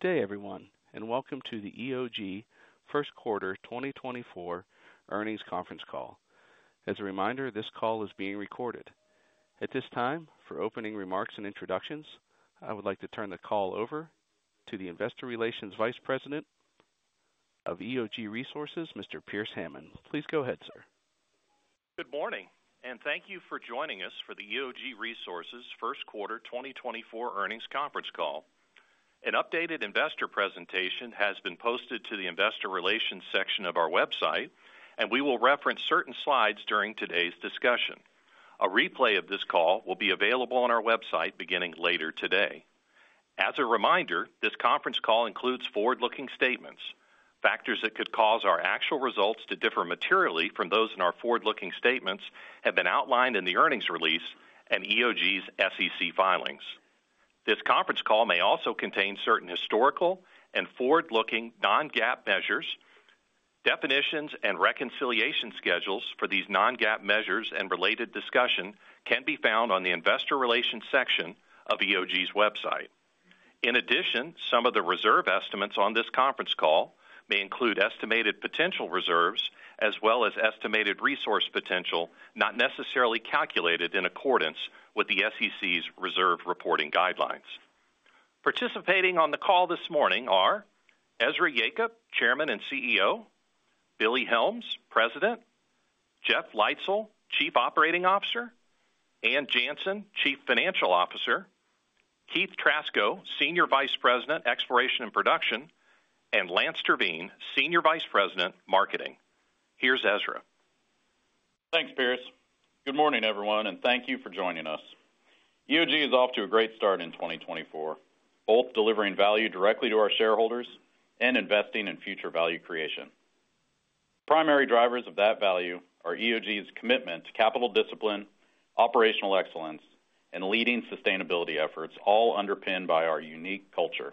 Good day, everyone, and welcome to the EOG first quarter 2024 earnings conference call. As a reminder, this call is being recorded. At this time, for opening remarks and introductions, I would like to turn the call over to the Investor Relations Vice President of EOG Resources, Mr. Pearce Hammond. Please go ahead, sir. Good morning, and thank you for joining us for the EOG Resources first quarter 2024 earnings conference call. An updated investor presentation has been posted to the investor relations section of our website, and we will reference certain slides during today's discussion. A replay of this call will be available on our website beginning later today. As a reminder, this conference call includes forward-looking statements. Factors that could cause our actual results to differ materially from those in our forward-looking statements have been outlined in the earnings release and EOG's SEC filings. This conference call may also contain certain historical and forward-looking non-GAAP measures, definitions, and reconciliation schedules for these non-GAAP measures and related discussion can be found on the investor relations section of EOG's website. In addition, some of the reserve estimates on this conference call may include estimated potential reserves, as well as estimated resource potential, not necessarily calculated in accordance with the SEC's reserve reporting guidelines. Participating on the call this morning are Ezra Yacob, Chairman and CEO, Billy Helms, President, Jeff Leitzell, Chief Operating Officer, Ann Janssen, Chief Financial Officer, Keith Trasko, Senior Vice President, Exploration and Production, and Lance Terveen, Senior Vice President, Marketing. Here's Ezra. Thanks, Pearce. Good morning, everyone, and thank you for joining us. EOG is off to a great start in 2024, both delivering value directly to our shareholders and investing in future value creation. Primary drivers of that value are EOG's commitment to capital discipline, operational excellence, and leading sustainability efforts, all underpinned by our unique culture.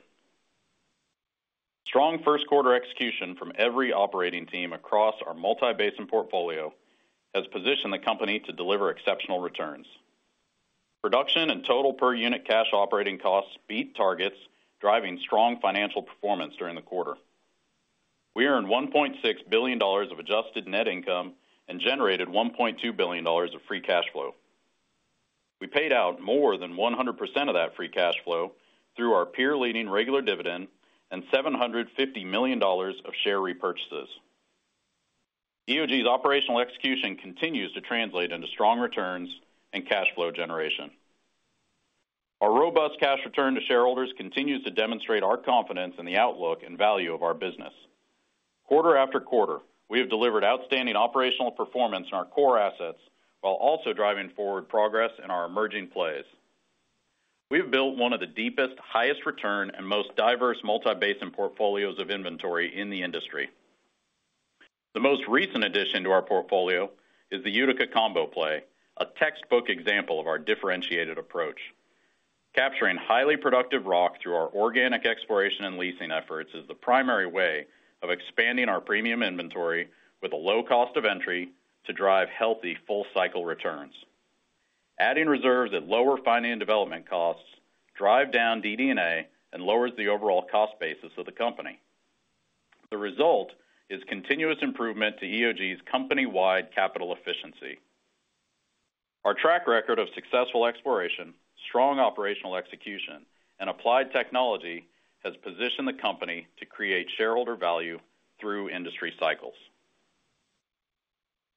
Strong first quarter execution from every operating team across our multi-basin portfolio has positioned the company to deliver exceptional returns. Production and total per unit cash operating costs beat targets, driving strong financial performance during the quarter. We earned $1.6 billion of adjusted net income and generated $1.2 billion of free cash flow. We paid out more than 100% of that free cash flow through our peer-leading regular dividend and $750 million of share repurchases. EOG's operational execution continues to translate into strong returns and cash flow generation. Our robust cash return to shareholders continues to demonstrate our confidence in the outlook and value of our business. Quarter after quarter, we have delivered outstanding operational performance in our core assets, while also driving forward progress in our emerging plays. We've built one of the deepest, highest return, and most diverse multi-basin portfolios of inventory in the industry. The most recent addition to our portfolio is the Utica Combo play, a textbook example of our differentiated approach. Capturing highly productive rock through our organic exploration and leasing efforts is the primary way of expanding our premium inventory with a low cost of entry to drive healthy full-cycle returns. Adding reserves at lower finance development costs drive down DD&A and lowers the overall cost basis of the company. The result is continuous improvement to EOG's company-wide capital efficiency. Our track record of successful exploration, strong operational execution, and applied technology has positioned the company to create shareholder value through industry cycles.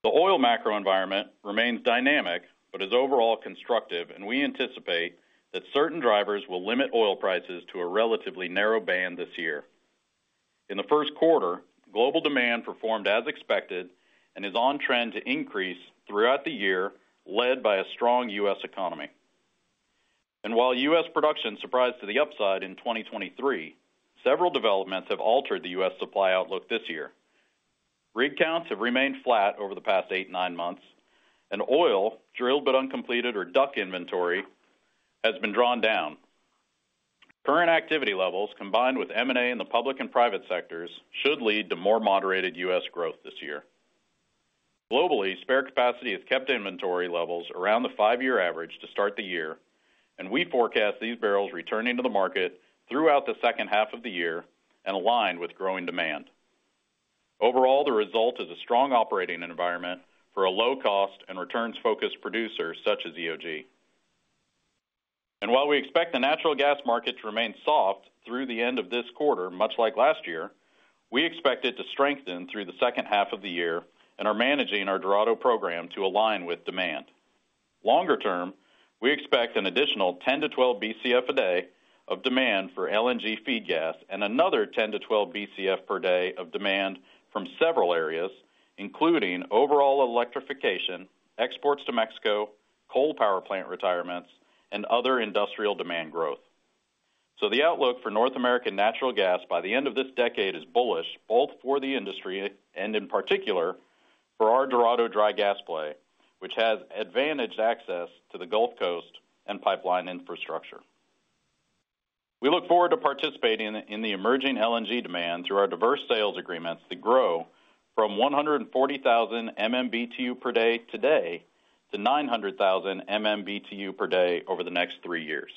The oil macro environment remains dynamic but is overall constructive, and we anticipate that certain drivers will limit oil prices to a relatively narrow band this year. In the first quarter, global demand performed as expected and is on trend to increase throughout the year, led by a strong U.S. economy. While U.S. production surprised to the upside in 2023, several developments have altered the U.S. supply outlook this year. Rig counts have remained flat over the past 8-9 months, and oil drilled but uncompleted, or DUC, inventory has been drawn down. Current activity levels, combined with M&A in the public and private sectors, should lead to more moderated U.S. growth this year. Globally, spare capacity has kept inventory levels around the five-year average to start the year, and we forecast these barrels returning to the market throughout the second half of the year and aligned with growing demand. Overall, the result is a strong operating environment for a low cost and returns-focused producer such as EOG. And while we expect the natural gas market to remain soft through the end of this quarter, much like last year, we expect it to strengthen through the second half of the year and are managing our Dorado program to align with demand. Longer term, we expect an additional 10-12 Bcf a day of demand for LNG feed gas and another 10-12 Bcf per day of demand from several areas, including overall electrification, exports to Mexico, coal power plant retirements, and other industrial demand growth. The outlook for North American natural gas by the end of this decade is bullish, both for the industry and in particular for our Dorado dry gas play, which has advantaged access to the Gulf Coast and pipeline infrastructure. We look forward to participating in the emerging LNG demand through our diverse sales agreements to grow from 140,000 MMBtu per day today to...... to 900,000 MMBtu per day over the next three years.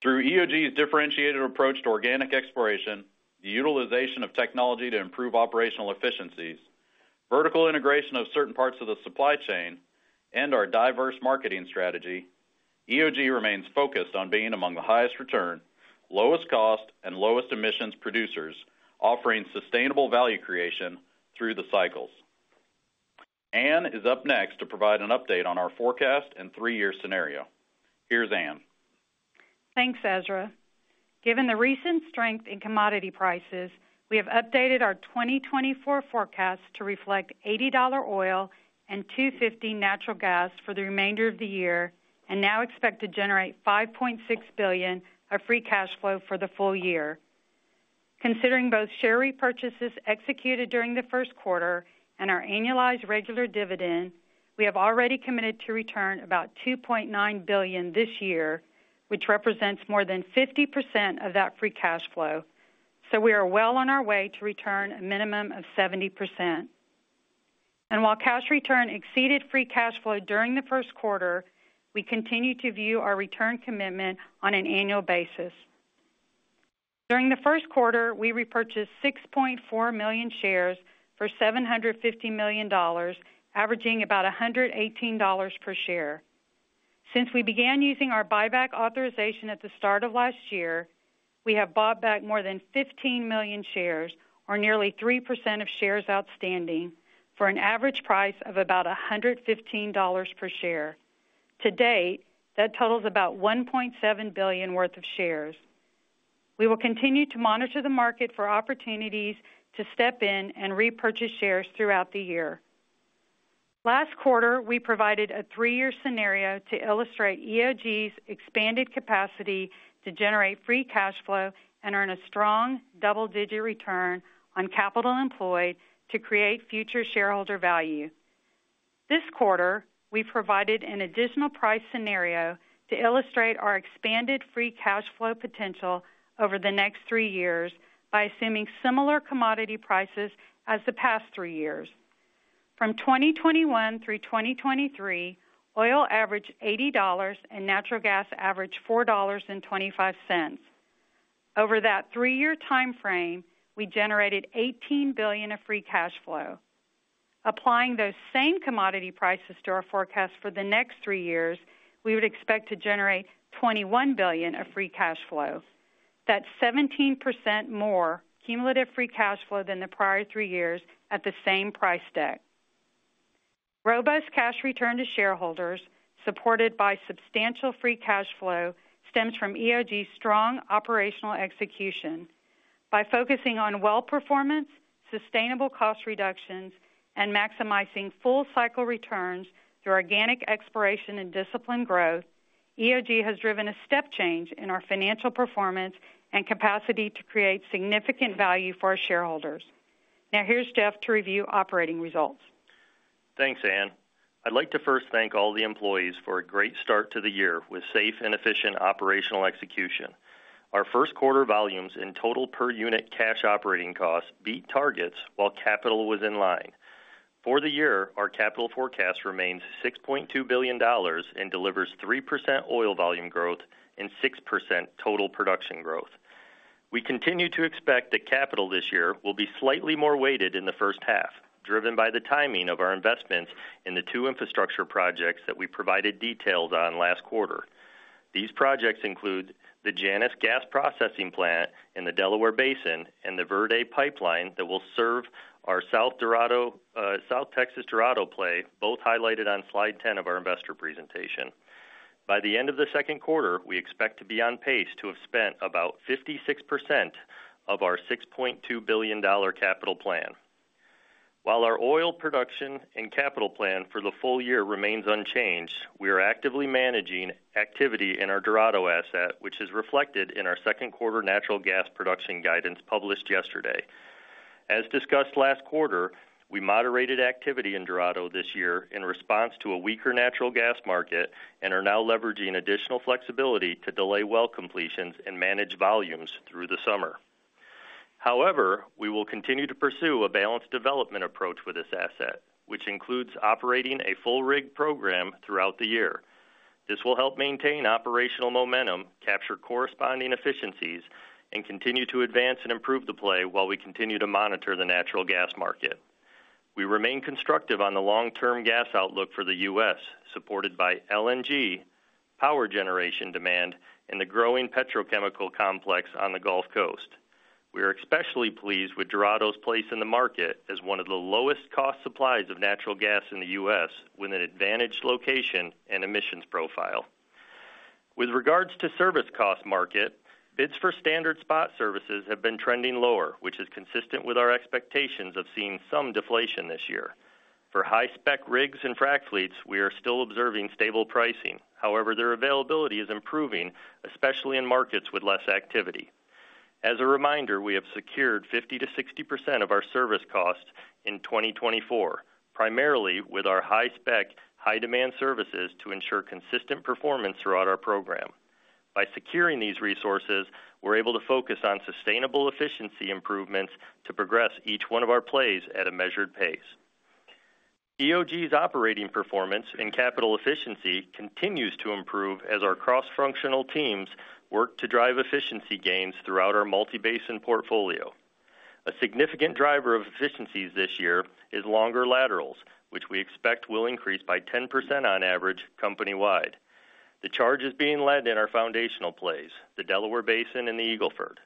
Through EOG's differentiated approach to organic exploration, the utilization of technology to improve operational efficiencies, vertical integration of certain parts of the supply chain, and our diverse marketing strategy, EOG remains focused on being among the highest return, lowest cost, and lowest emissions producers, offering sustainable value creation through the cycles. Ann is up next to provide an update on our forecast and 3-year scenario. Here's Ann. Thanks, Ezra. Given the recent strength in commodity prices, we have updated our 2024 forecast to reflect $80 oil and $2.50 natural gas for the remainder of the year, and now expect to generate $5.6 billion of free cash flow for the full year. Considering both share repurchases executed during the first quarter and our annualized regular dividend, we have already committed to return about $2.9 billion this year, which represents more than 50% of that free cash flow. So we are well on our way to return a minimum of 70%. And while cash return exceeded free cash flow during the first quarter, we continue to view our return commitment on an annual basis. During the first quarter, we repurchased 6.4 million shares for $750 million, averaging about $118 per share. Since we began using our buyback authorization at the start of last year, we have bought back more than 15 million shares, or nearly 3% of shares outstanding, for an average price of about $115 per share. To date, that totals about $1.7 billion worth of shares. We will continue to monitor the market for opportunities to step in and repurchase shares throughout the year. Last quarter, we provided a three-year scenario to illustrate EOG's expanded capacity to generate free cash flow and earn a strong double-digit return on capital employed to create future shareholder value. This quarter, we provided an additional price scenario to illustrate our expanded free cash flow potential over the next three years by assuming similar commodity prices as the past three years. From 2021 through 2023, oil averaged $80 and natural gas averaged $4.25. Over that three-year time frame, we generated $18 billion of free cash flow. Applying those same commodity prices to our forecast for the next three years, we would expect to generate $21 billion of free cash flow. That's 17% more cumulative free cash flow than the prior three years at the same price deck. Robust cash return to shareholders, supported by substantial free cash flow, stems from EOG's strong operational execution. By focusing on well performance, sustainable cost reductions, and maximizing full cycle returns through organic exploration and disciplined growth, EOG has driven a step change in our financial performance and capacity to create significant value for our shareholders. Now, here's Jeff to review operating results. Thanks, Ann. I'd like to first thank all the employees for a great start to the year with safe and efficient operational execution. Our first quarter volumes in total per unit cash operating costs beat targets while capital was in line. For the year, our capital forecast remains $6.2 billion and delivers 3% oil volume growth and 6% total production growth. We continue to expect that capital this year will be slightly more weighted in the first half, driven by the timing of our investments in the two infrastructure projects that we provided details on last quarter. These projects include the Janus Gas Processing Plant in the Delaware Basin and the Verde Pipeline that will serve our South Dorado, South Texas Dorado play, both highlighted on slide 10 of our investor presentation. By the end of the second quarter, we expect to be on pace to have spent about 56% of our $6.2 billion capital plan. While our oil production and capital plan for the full year remains unchanged, we are actively managing activity in our Dorado asset, which is reflected in our second quarter natural gas production guidance published yesterday. As discussed last quarter, we moderated activity in Dorado this year in response to a weaker natural gas market and are now leveraging additional flexibility to delay well completions and manage volumes through the summer. However, we will continue to pursue a balanced development approach with this asset, which includes operating a full rig program throughout the year. This will help maintain operational momentum, capture corresponding efficiencies, and continue to advance and improve the play while we continue to monitor the natural gas market. We remain constructive on the long-term gas outlook for the U.S., supported by LNG, power generation demand, and the growing petrochemical complex on the Gulf Coast. We are especially pleased with Dorado's place in the market as one of the lowest cost suppliers of natural gas in the U.S., with an advantaged location and emissions profile. With regards to service cost market, bids for standard spot services have been trending lower, which is consistent with our expectations of seeing some deflation this year. For high-spec rigs and frac fleets, we are still observing stable pricing. However, their availability is improving, especially in markets with less activity. As a reminder, we have secured 50%-60% of our service costs in 2024, primarily with our high-spec, high-demand services to ensure consistent performance throughout our program. By securing these resources, we're able to focus on sustainable efficiency improvements to progress each one of our plays at a measured pace. EOG's operating performance and capital efficiency continues to improve as our cross-functional teams work to drive efficiency gains throughout our multi-basin portfolio. A significant driver of efficiencies this year is longer laterals, which we expect will increase by 10% on average company-wide. The charge is being led in our foundational plays, the Delaware Basin and the Eagle Ford.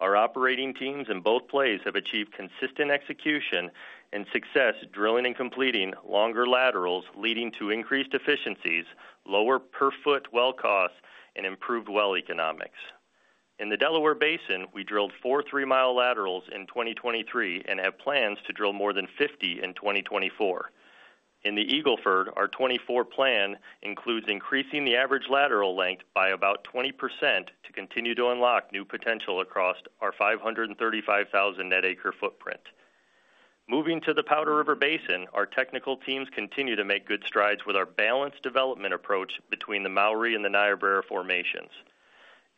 Our operating teams in both plays have achieved consistent execution and success, drilling and completing longer laterals, leading to increased efficiencies, lower per-foot well costs, and improved well economics. In the Delaware Basin, we drilled four three-mile laterals in 2023, and have plans to drill more than 50 in 2024. In the Eagle Ford, our 2024 plan includes increasing the average lateral length by about 20% to continue to unlock new potential across our 535,000 net acre footprint. Moving to the Powder River Basin, our technical teams continue to make good strides with our balanced development approach between the Mowry and the Niobrara formations.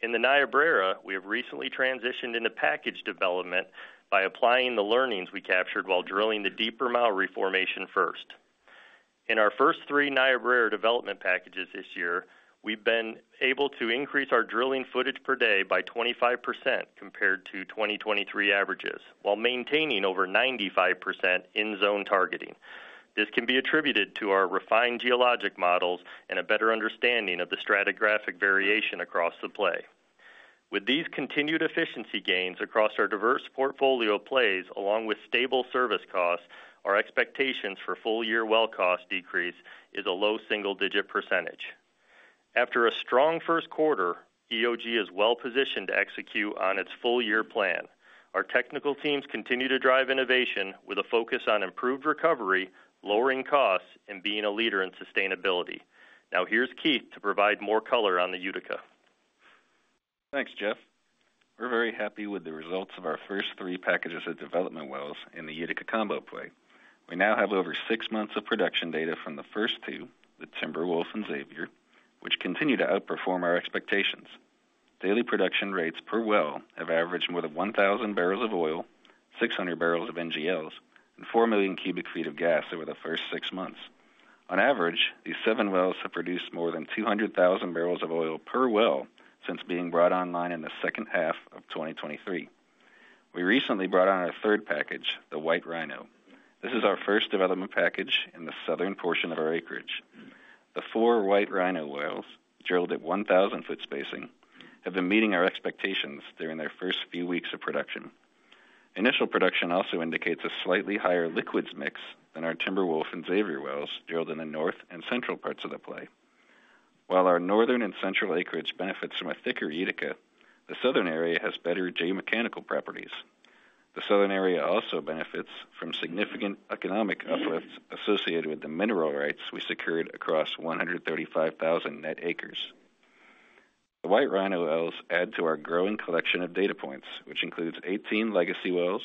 In the Niobrara, we have recently transitioned into package development by applying the learnings we captured while drilling the deeper Mowry formation first. In our first three Niobrara development packages this year, we've been able to increase our drilling footage per day by 25% compared to 2023 averages, while maintaining over 95% in-zone targeting. This can be attributed to our refined geologic models and a better understanding of the stratigraphic variation across the play. With these continued efficiency gains across our diverse portfolio plays, along with stable service costs, our expectations for full-year well cost decrease is a low single-digit percentage. After a strong first quarter, EOG is well positioned to execute on its full-year plan. Our technical teams continue to drive innovation with a focus on improved recovery, lowering costs, and being a leader in sustainability. Now, here's Keith to provide more color on the Utica. Thanks, Jeff. We're very happy with the results of our first three packages of development wells in the Utica Combo play. We now have over six months of production data from the first two, the Timberwolf and Xavier, which continue to outperform our expectations. Daily production rates per well have averaged more than 1,000 bbl of oil, 600 bbl of NGLs, and 4 million cu ft of gas over the first six months. On average, these seven wells have produced more than 200,000 bbl of oil per well since being brought online in the second half of 2023. We recently brought on our third package, the White Rhino. This is our first development package in the southern portion of our acreage. The four White Rhino wells, drilled at 1,000-foot spacing, have been meeting our expectations during their first few weeks of production. Initial production also indicates a slightly higher liquids mix than our Timberwolf and Xavier wells, drilled in the north and central parts of the play. While our northern and central acreage benefits from a thicker Utica, the southern area has better geomechanical properties. The southern area also benefits from significant economic uplifts associated with the mineral rights we secured across 135,000 net acres. The White Rhino wells add to our growing collection of data points, which includes 18 legacy wells,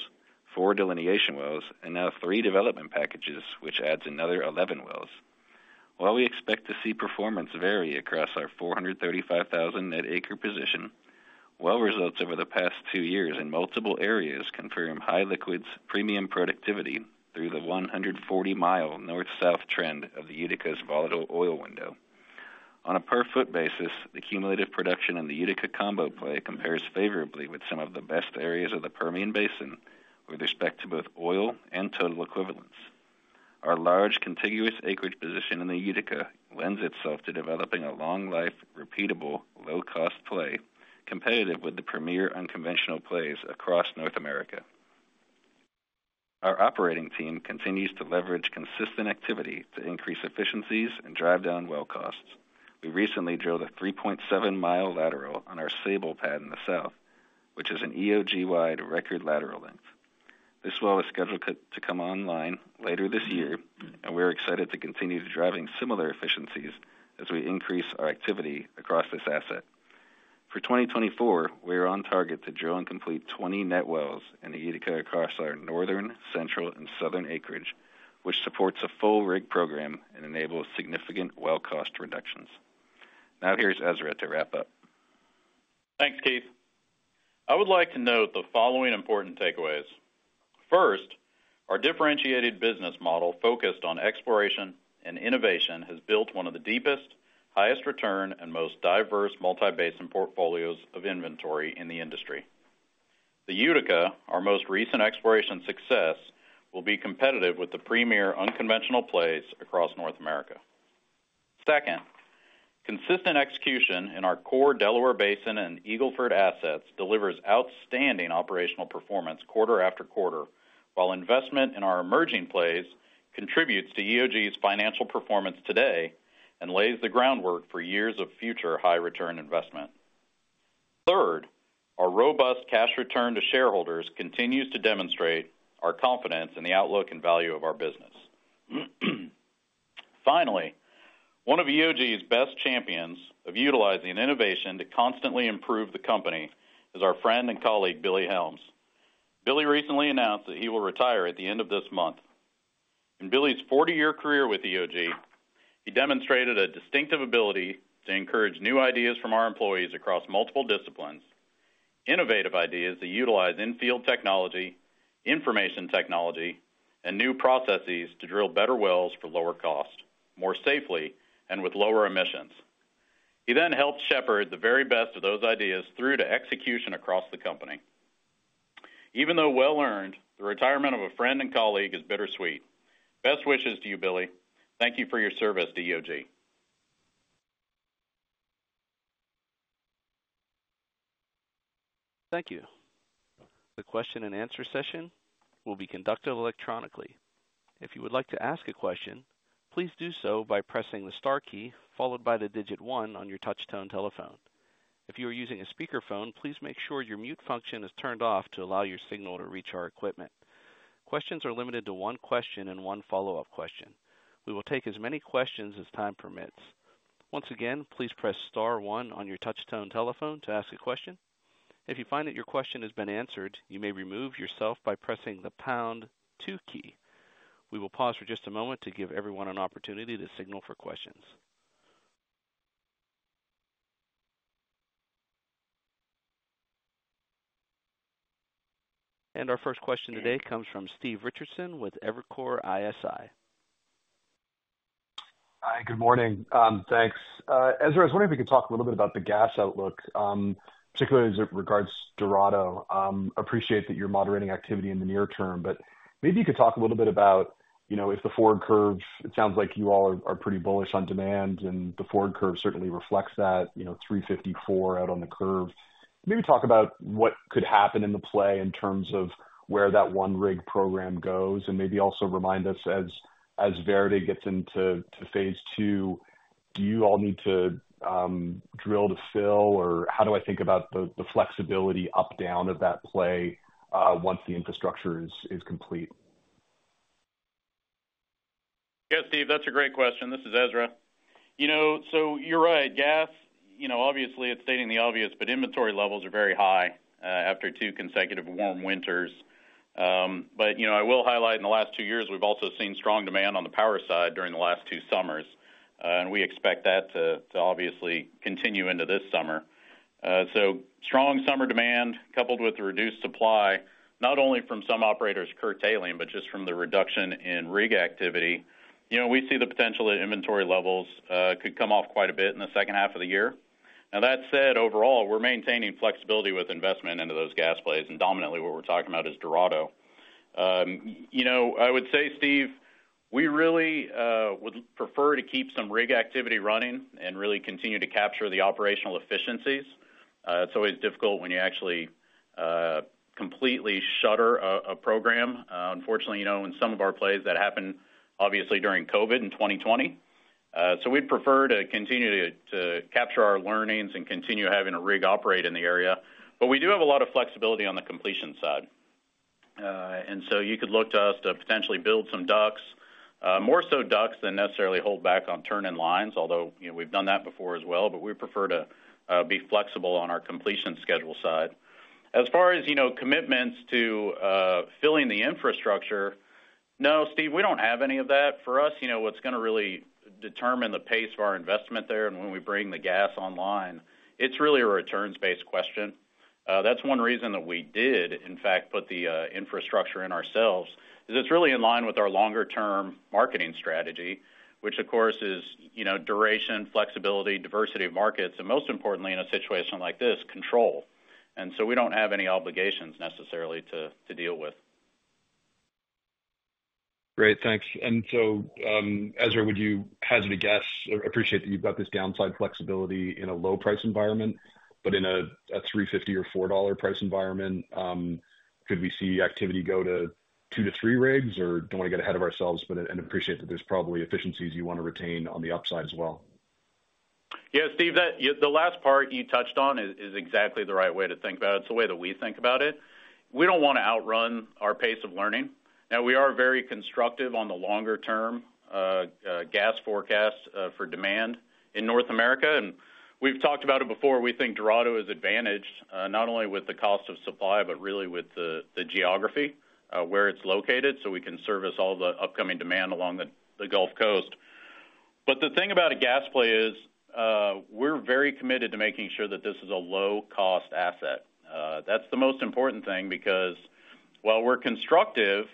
four delineation wells, and now three development packages, which adds another 11 wells. While we expect to see performance vary across our 435,000 net acre position, well results over the past two years in multiple areas confirm high liquids premium productivity through the 140-mile north-south trend of the Utica's volatile oil window. On a per-foot basis, the cumulative production in the Utica Combo play compares favorably with some of the best areas of the Permian Basin with respect to both oil and total equivalents. Our large, contiguous acreage position in the Utica lends itself to developing a long-life, repeatable, low-cost play, competitive with the premier unconventional plays across North America. Our operating team continues to leverage consistent activity to increase efficiencies and drive down well costs. We recently drilled a 3.7-mile lateral on our Sable pad in the south, which is an EOG-wide record lateral length. This well is scheduled to come online later this year, and we're excited to continue driving similar efficiencies as we increase our activity across this asset. For 2024, we are on target to drill and complete 20 net wells in the Utica across our northern, central, and southern acreage, which supports a full rig program and enables significant well cost reductions. Now, here's Ezra to wrap up. Thanks, Keith. I would like to note the following important takeaways. First, our differentiated business model, focused on exploration and innovation, has built one of the deepest, highest return, and most diverse multi-basin portfolios of inventory in the industry. The Utica, our most recent exploration success, will be competitive with the premier unconventional plays across North America. Second, consistent execution in our core Delaware Basin and Eagle Ford assets delivers outstanding operational performance quarter after quarter, while investment in our emerging plays contributes to EOG's financial performance today and lays the groundwork for years of future high-return investment. Third, our robust cash return to shareholders continues to demonstrate our confidence in the outlook and value of our business. Finally, one of EOG's best champions of utilizing innovation to constantly improve the company is our friend and colleague, Billy Helms. Billy recently announced that he will retire at the end of this month.... In Billy's 40-year career with EOG, he demonstrated a distinctive ability to encourage new ideas from our employees across multiple disciplines, innovative ideas that utilize in-field technology, information technology, and new processes to drill better wells for lower cost, more safely, and with lower emissions. He then helped shepherd the very best of those ideas through to execution across the company. Even though well-earned, the retirement of a friend and colleague is bittersweet. Best wishes to you, Billy. Thank you for your service to EOG. Thank you. The question and answer session will be conducted electronically. If you would like to ask a question, please do so by pressing the star key, followed by the digit one on your touchtone telephone. If you are using a speakerphone, please make sure your mute function is turned off to allow your signal to reach our equipment. Questions are limited to one question and one follow-up question. We will take as many questions as time permits. Once again, please press star one on your touchtone telephone to ask a question. If you find that your question has been answered, you may remove yourself by pressing the pound two key. We will pause for just a moment to give everyone an opportunity to signal for questions. And our first question today comes from Steve Richardson with Evercore ISI. Hi, good morning. Thanks. Ezra, I was wondering if you could talk a little bit about the gas outlook, particularly as it regards Dorado. Appreciate that you're moderating activity in the near term, but maybe you could talk a little bit about, you know, if the forward curves, it sounds like you all are pretty bullish on demand, and the forward curve certainly reflects that, you know, $3.54 out on the curve. Maybe talk about what could happen in the play in terms of where that one rig program goes, and maybe also remind us as Verde gets into phase two, do you all need to drill to fill? Or how do I think about the flexibility up/down of that play, once the infrastructure is complete? Yeah, Steve, that's a great question. This is Ezra. You know, so you're right. Gas, you know, obviously, it's stating the obvious, but inventory levels are very high after two consecutive warm winters. But, you know, I will highlight in the last two years, we've also seen strong demand on the power side during the last two summers, and we expect that to obviously continue into this summer. So strong summer demand, coupled with reduced supply, not only from some operators curtailing, but just from the reduction in rig activity. You know, we see the potential that inventory levels could come off quite a bit in the second half of the year. Now, that said, overall, we're maintaining flexibility with investment into those gas plays, and dominantly, what we're talking about is Dorado. You know, I would say, Steve, we really would prefer to keep some rig activity running and really continue to capture the operational efficiencies. It's always difficult when you actually completely shutter a program. Unfortunately, you know, in some of our plays, that happened obviously during COVID in 2020. So we'd prefer to continue to capture our learnings and continue having a rig operate in the area. But we do have a lot of flexibility on the completion side. And so you could look to us to potentially build some DUCs, more so DUCs than necessarily hold back on turn-in lines, although, you know, we've done that before as well, but we prefer to be flexible on our completion schedule side. As far as, you know, commitments to filling the infrastructure, no, Steve, we don't have any of that. For us, you know, what's gonna really determine the pace of our investment there and when we bring the gas online, it's really a returns-based question. That's one reason that we did, in fact, put the infrastructure in ourselves, is it's really in line with our longer-term marketing strategy, which, of course, is, you know, duration, flexibility, diversity of markets, and most importantly, in a situation like this, control. And so we don't have any obligations necessarily to deal with. Great, thanks. And so, Ezra, would you hazard a guess—I appreciate that you've got this downside flexibility in a low price environment, but in a $3.50 or $4 price environment, could we see activity go to 2-3 rigs, or don't wanna get ahead of ourselves, but, and appreciate that there's probably efficiencies you wanna retain on the upside as well? Yeah, Steve, that—yeah, the last part you touched on is exactly the right way to think about it. It's the way that we think about it. We don't wanna outrun our pace of learning. Now, we are very constructive on the longer-term gas forecast for demand in North America. And we've talked about it before. We think Dorado is advantaged not only with the cost of supply, but really with the geography where it's located, so we can service all the upcoming demand along the Gulf Coast. But the thing about a gas play is, we're very committed to making sure that this is a low-cost asset. That's the most important thing, because while we're constructive, you know,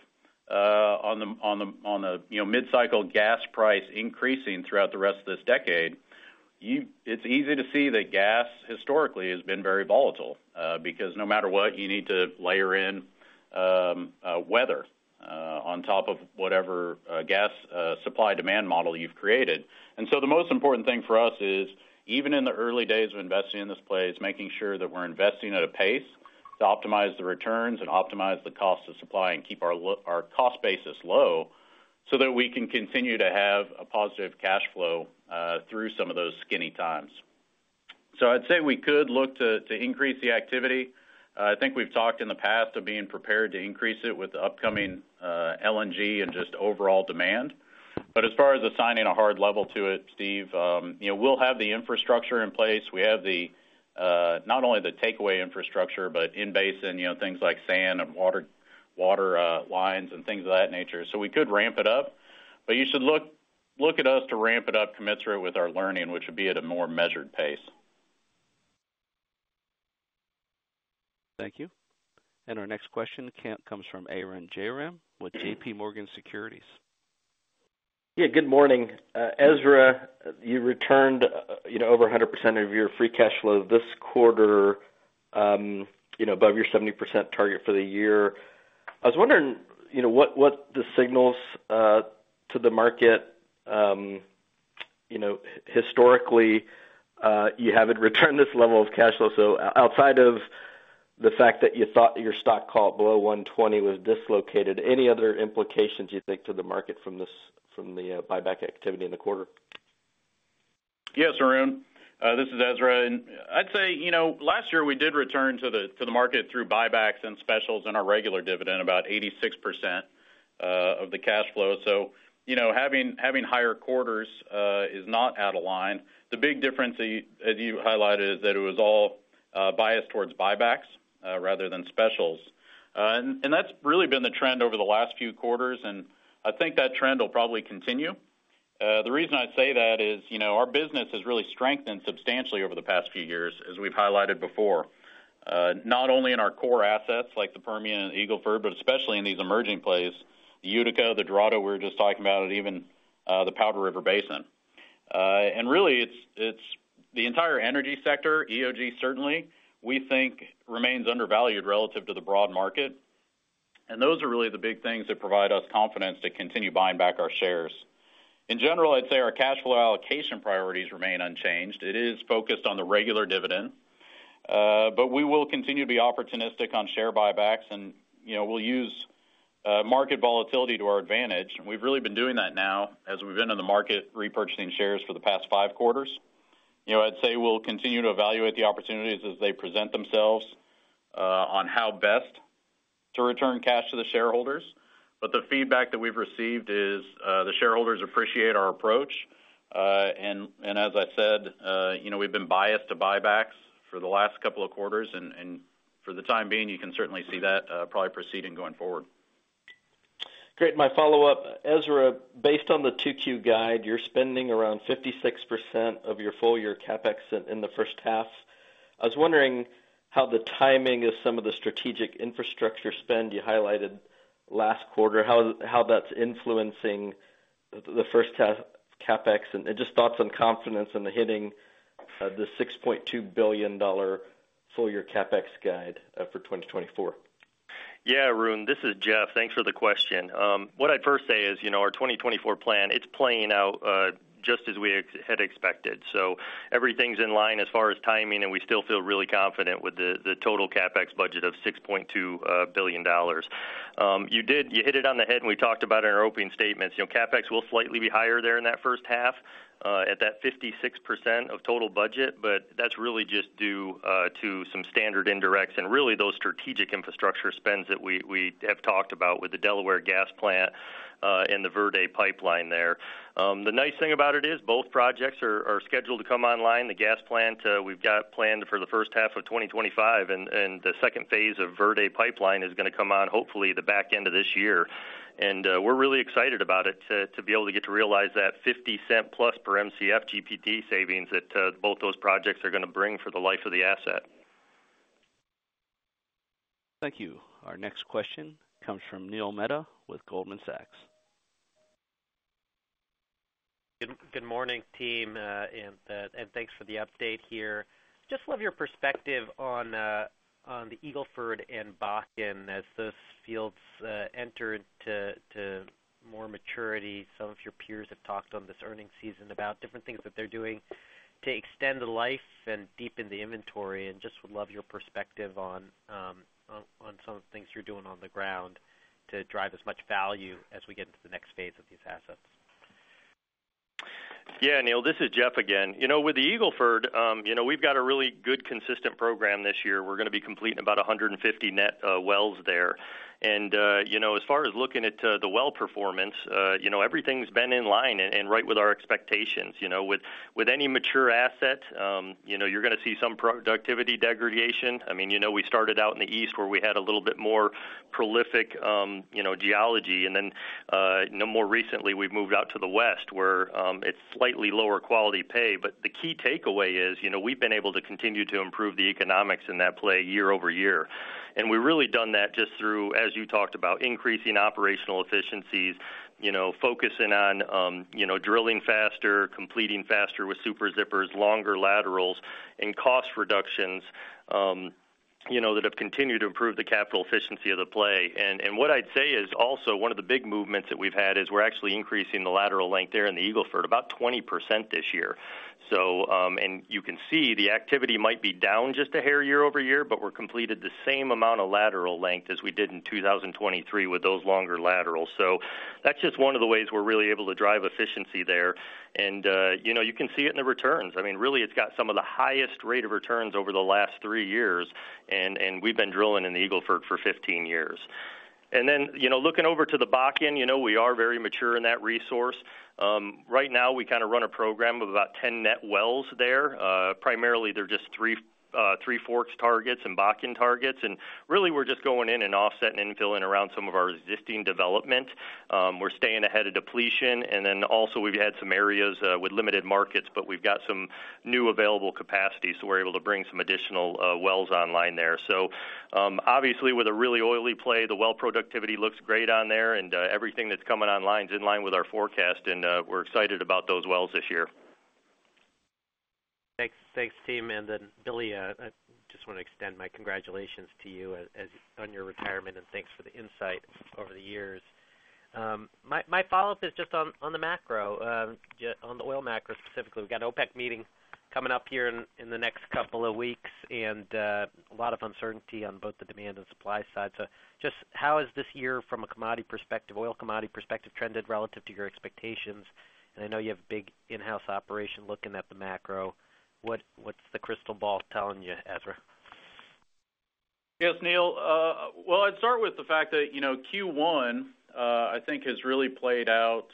on the mid-cycle gas price increasing throughout the rest of this decade, it's easy to see that gas historically has been very volatile, because no matter what, you need to layer in weather on top of whatever gas supply demand model you've created. And so the most important thing for us is, even in the early days of investing in this play, is making sure that we're investing at a pace to optimize the returns and optimize the cost of supply and keep our cost basis low, so that we can continue to have a positive cash flow through some of those skinny times. So I'd say we could look to increase the activity. I think we've talked in the past of being prepared to increase it with the upcoming LNG and just overall demand. But as far as assigning a hard level to it, Steve, you know, we'll have the infrastructure in place. We have not only the takeaway infrastructure, but in basin, you know, things like sand and water lines and things of that nature. So we could ramp it up, but you should look at us to ramp it up commensurate with our learning, which would be at a more measured pace. Thank you. Our next question comes from Arun Jayaram with JPMorgan Securities. Yeah, good morning. Ezra, you returned, you know, over 100% of your free cash flow this quarter, you know, above your 70% target for the year. I was wondering, you know, what the signals to the market, you know, historically, you haven't returned this level of cash flow. So outside of the fact that you thought your stock call below $120 was dislocated, any other implications, you think, to the market from this from the buyback activity in the quarter? Yes, Arun. This is Ezra, and I'd say, you know, last year we did return to the market through buybacks and specials and our regular dividend, about 86% of the cash flow. So, you know, having higher quarters is not out of line. The big difference, as you highlighted, is that it was all biased towards buybacks rather than specials. And that's really been the trend over the last few quarters, and I think that trend will probably continue. The reason I say that is, you know, our business has really strengthened substantially over the past few years, as we've highlighted before, not only in our core assets, like the Permian and Eagle Ford, but especially in these emerging plays, the Utica, the Dorado, we're just talking about, and even the Powder River Basin. Really, it's the entire energy sector. EOG, certainly, we think, remains undervalued relative to the broad market, and those are really the big things that provide us confidence to continue buying back our shares. In general, I'd say our cash flow allocation priorities remain unchanged. It is focused on the regular dividend, but we will continue to be opportunistic on share buybacks, and, you know, we'll use market volatility to our advantage. We've really been doing that now as we've been in the market repurchasing shares for the past five quarters. You know, I'd say we'll continue to evaluate the opportunities as they present themselves on how best to return cash to the shareholders. But the feedback that we've received is, the shareholders appreciate our approach, and as I said, you know, we've been biased to buybacks for the last couple of quarters, and for the time being, you can certainly see that probably proceeding going forward. Great. My follow-up, Ezra, based on the 2Q guide, you're spending around 56% of your full-year CapEx in the first half. I was wondering how the timing of some of the strategic infrastructure spend you highlighted last quarter, how that's influencing the first half CapEx, and just thoughts on confidence in hitting the $6.2 billion full-year CapEx guide for 2024. Yeah, Arun, this is Jeff. Thanks for the question. What I'd first say is, you know, our 2024 plan, it's playing out just as we had expected. So everything's in line as far as timing, and we still feel really confident with the total CapEx budget of $6.2 billion. You hit it on the head, and we talked about in our opening statements. You know, CapEx will slightly be higher there in that first half at that 56% of total budget, but that's really just due to some standard indirects and really those strategic infrastructure spends that we have talked about with the Delaware gas plant and the Verde pipeline there. The nice thing about it is both projects are scheduled to come online. The gas plant we've got planned for the first half of 2025, and the second phase of Verde Pipeline is gonna come on, hopefully, the back end of this year. We're really excited about it, to be able to get to realize that $0.50+ per Mcf GP&T savings that both those projects are gonna bring for the life of the asset. Thank you. Our next question comes from Neil Mehta with Goldman Sachs. Good morning, team, and thanks for the update here. Just love your perspective on the Eagle Ford and Bakken. As those fields enter into more maturity, some of your peers have talked on this earnings season about different things that they're doing to extend the life and deepen the inventory, and just would love your perspective on some of the things you're doing on the ground to drive as much value as we get into the next phase of these assets. Yeah, Neil, this is Jeff again. You know, with the Eagle Ford, you know, we've got a really good consistent program this year. We're gonna be completing about 150 net wells there. You know, as far as looking at the well performance, you know, everything's been in line and right with our expectations. You know, with any mature asset, you know, you're gonna see some productivity degradation. I mean, you know, we started out in the east, where we had a little bit more prolific, you know, geology, and then, you know, more recently, we've moved out to the west, where it's slightly lower quality pay. But the key takeaway is, you know, we've been able to continue to improve the economics in that play year-over-year. And we've really done that just through, as you talked about, increasing operational efficiencies, you know, focusing on, you know, drilling faster, completing faster with Super Zippers, longer laterals, and cost reductions, you know, that have continued to improve the capital efficiency of the play. And what I'd say is also one of the big movements that we've had is we're actually increasing the lateral length there in the Eagle Ford, about 20% this year. So, and you can see the activity might be down just a hair year-over-year, but we've completed the same amount of lateral length as we did in 2023 with those longer laterals. So that's just one of the ways we're really able to drive efficiency there, and, you know, you can see it in the returns. I mean, really, it's got some of the highest rate of returns over the last three years, and, and we've been drilling in the Eagle Ford for 15 years. ...Then, you know, looking over to the Bakken, you know, we are very mature in that resource. Right now, we kind of run a program of about 10 net wells there. Primarily, they're just Three Forks targets and Bakken targets. And really, we're just going in and offsetting and filling around some of our existing development. We're staying ahead of depletion, and then also we've had some areas with limited markets, but we've got some new available capacity, so we're able to bring some additional wells online there. So, obviously, with a really oily play, the well productivity looks great on there, and we're excited about those wells this year. Thanks. Thanks, team. And then, Billy, I just want to extend my congratulations to you on your retirement, and thanks for the insight over the years. My follow-up is just on the macro, on the oil macro, specifically. We've got an OPEC meeting coming up here in the next couple of weeks, and a lot of uncertainty on both the demand and supply side. So just how is this year from a commodity perspective, oil commodity perspective, trended relative to your expectations? And I know you have a big in-house operation looking at the macro. What's the crystal ball telling you, Ezra? Yes, Neil, well, I'd start with the fact that, you know, Q1, I think has really played out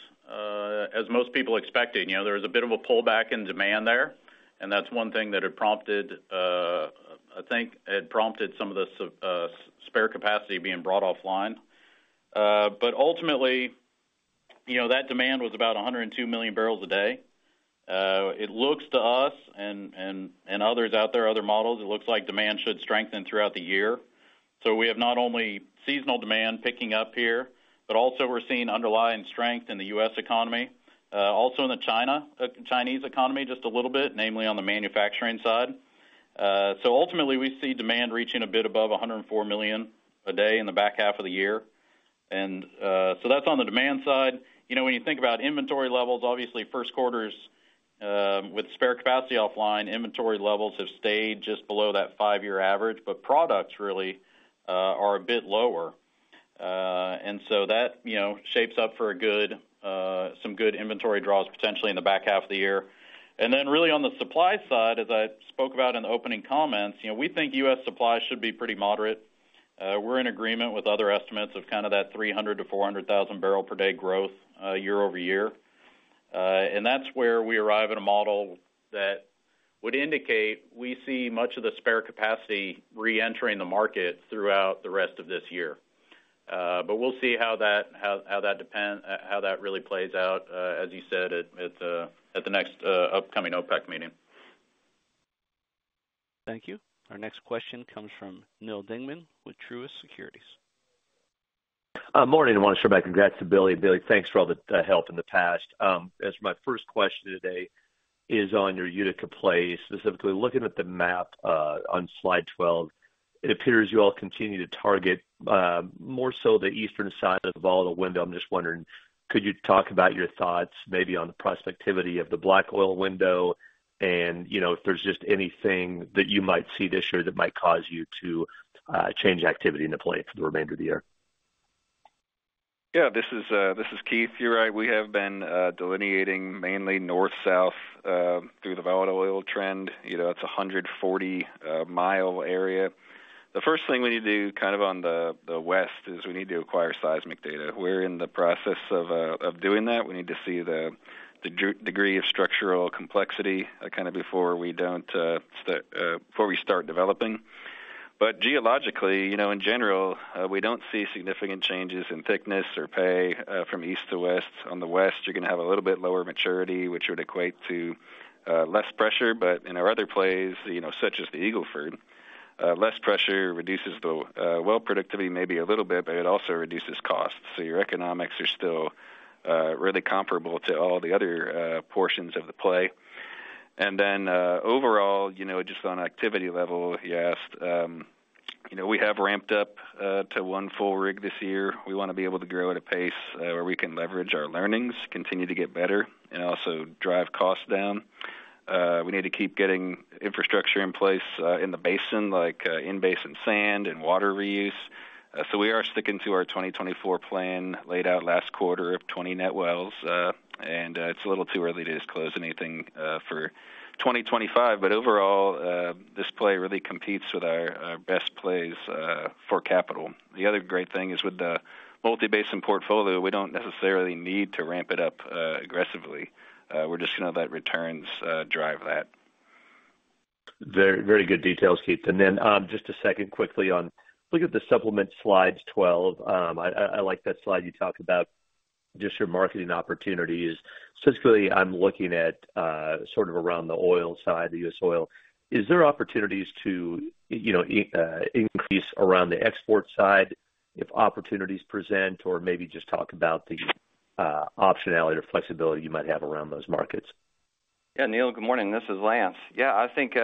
as most people expected. You know, there was a bit of a pullback in demand there, and that's one thing that had prompted, I think it prompted some of the spare capacity being brought offline. But ultimately, you know, that demand was about 102 million bbl a day. It looks to us and others out there, other models, it looks like demand should strengthen throughout the year. So we have not only seasonal demand picking up here, but also we're seeing underlying strength in the U.S. economy, also in the China, Chinese economy, just a little bit, namely on the manufacturing side. So ultimately, we see demand reaching a bit above 104 million a day in the back half of the year. And so that's on the demand side. You know, when you think about inventory levels, obviously, first quarters, with spare capacity offline, inventory levels have stayed just below that five-year average, but products really are a bit lower. And so that, you know, shapes up for a good, some good inventory draws potentially in the back half of the year. And then really on the supply side, as I spoke about in the opening comments, you know, we think U.S. supply should be pretty moderate. We're in agreement with other estimates of kind of that 300,000-400,000 bbl per day growth, year-over-year. And that's where we arrive at a model that would indicate we see much of the spare capacity reentering the market throughout the rest of this year. But we'll see how that really plays out, as you said, at the next upcoming OPEC meeting. Thank you. Our next question comes from Neal Dingman with Truist Securities. Morning, I want to start by congrats to Billy. Billy, thanks for all the help in the past. As my first question today is on your Utica play, specifically, looking at the map on slide 12, it appears you all continue to target more so the eastern side of the volatile window. I'm just wondering, could you talk about your thoughts, maybe on the prospectivity of the black oil window? And, you know, if there's just anything that you might see this year that might cause you to change activity in the play for the remainder of the year. Yeah, this is Keith. You're right. We have been delineating mainly north, south through the volatile oil trend. You know, it's a 140-mi area. The first thing we need to do, kind of on the west, is we need to acquire seismic data. We're in the process of doing that. We need to see the degree of structural complexity, kind of before we start developing. But geologically, you know, in general, we don't see significant changes in thickness or pay from east to west. On the west, you're going to have a little bit lower maturity, which would equate to less pressure. But in our other plays, you know, such as the Eagle Ford, less pressure reduces the well productivity, maybe a little bit, but it also reduces costs. So your economics are still really comparable to all the other portions of the play. And then, overall, you know, just on activity level, you asked, you know, we have ramped up to one full rig this year. We want to be able to grow at a pace where we can leverage our learnings, continue to get better, and also drive costs down. We need to keep getting infrastructure in place in the basin, like in-basin sand and water reuse. So we are sticking to our 2024 plan, laid out last quarter of 20 net wells, and it's a little too early to disclose anything for 2025. But overall, this play really competes with our, our best plays, for capital. The other great thing is with the multi-basin portfolio, we don't necessarily need to ramp it up, aggressively. We're just going to let returns, drive that. Very, very good details, Keith. And then, just a second quickly on... Look at the supplement slide 12. I like that slide you talked about, just your marketing opportunities. Specifically, I'm looking at, sort of around the oil side, the U.S. oil. Is there opportunities to, you know, increase around the export side if opportunities present, or maybe just talk about the, optionality or flexibility you might have around those markets? Yeah, Neil, good morning. This is Lance. Yeah, I think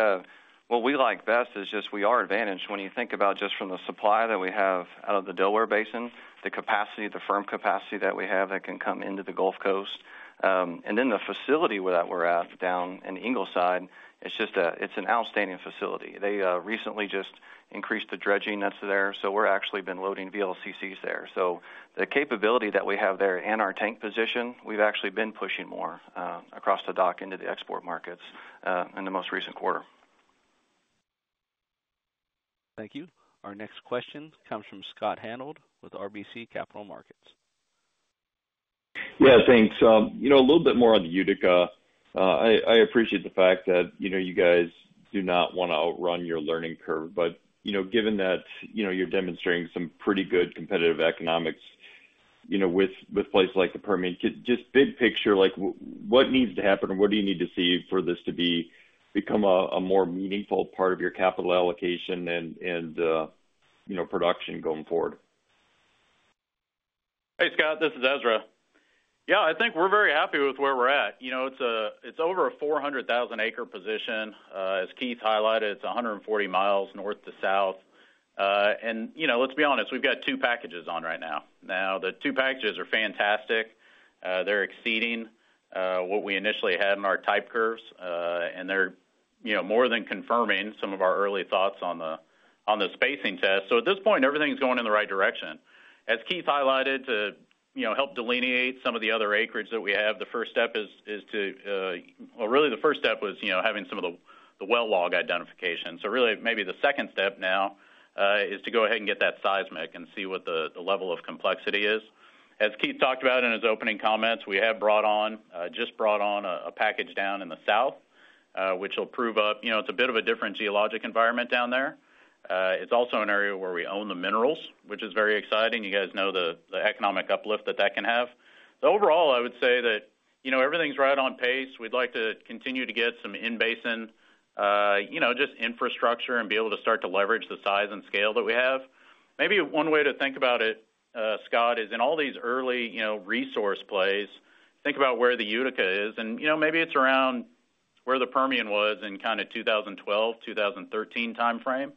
what we like best is just we are advantaged when you think about just from the supply that we have out of the Delaware Basin, the capacity, the firm capacity that we have that can come into the Gulf Coast. And then the facility that we're at down in Ingleside, it's just an outstanding facility. They recently just increased the dredging that's there, so we're actually been loading VLCCs there. So the capability that we have there and our tank position, we've actually been pushing more across the dock into the export markets in the most recent quarter. Thank you. Our next question comes from Scott Hanold with RBC Capital Markets. Yeah, thanks. You know, a little bit more on the Utica. I appreciate the fact that, you know, you guys do not want to outrun your learning curve, but, you know, given that, you know, you're demonstrating some pretty good competitive economics, you know, with places like the Permian, just big picture, like, what needs to happen, or what do you need to see for this to become a more meaningful part of your capital allocation and, you know, production going forward? Hey, Scott, this is Ezra. Yeah, I think we're very happy with where we're at. You know, it's a 400,000-acre position. As Keith highlighted, it's 140 mi north to south. And, you know, let's be honest, we've got two packages on right now. Now, the two packages are fantastic. They're exceeding what we initially had in our type curves, and they're, you know, more than confirming some of our early thoughts on the spacing test. So at this point, everything's going in the right direction. As Keith highlighted, to, you know, help delineate some of the other acreage that we have, the first step is to... Well, really, the first step was, you know, having some of the well log identification. So really, maybe the second step now is to go ahead and get that seismic and see what the level of complexity is. As Keith talked about in his opening comments, we have just brought on a package down in the south, which will prove up. You know, it's a bit of a different geologic environment down there. It's also an area where we own the minerals, which is very exciting. You guys know the economic uplift that that can have. So overall, I would say that, you know, everything's right on pace. We'd like to continue to get some in-basin, you know, just infrastructure and be able to start to leverage the size and scale that we have. Maybe one way to think about it, Scott, is in all these early, you know, resource plays. Think about where the Utica is, and, you know, maybe it's around where the Permian was in kinda 2012, 2013 timeframe.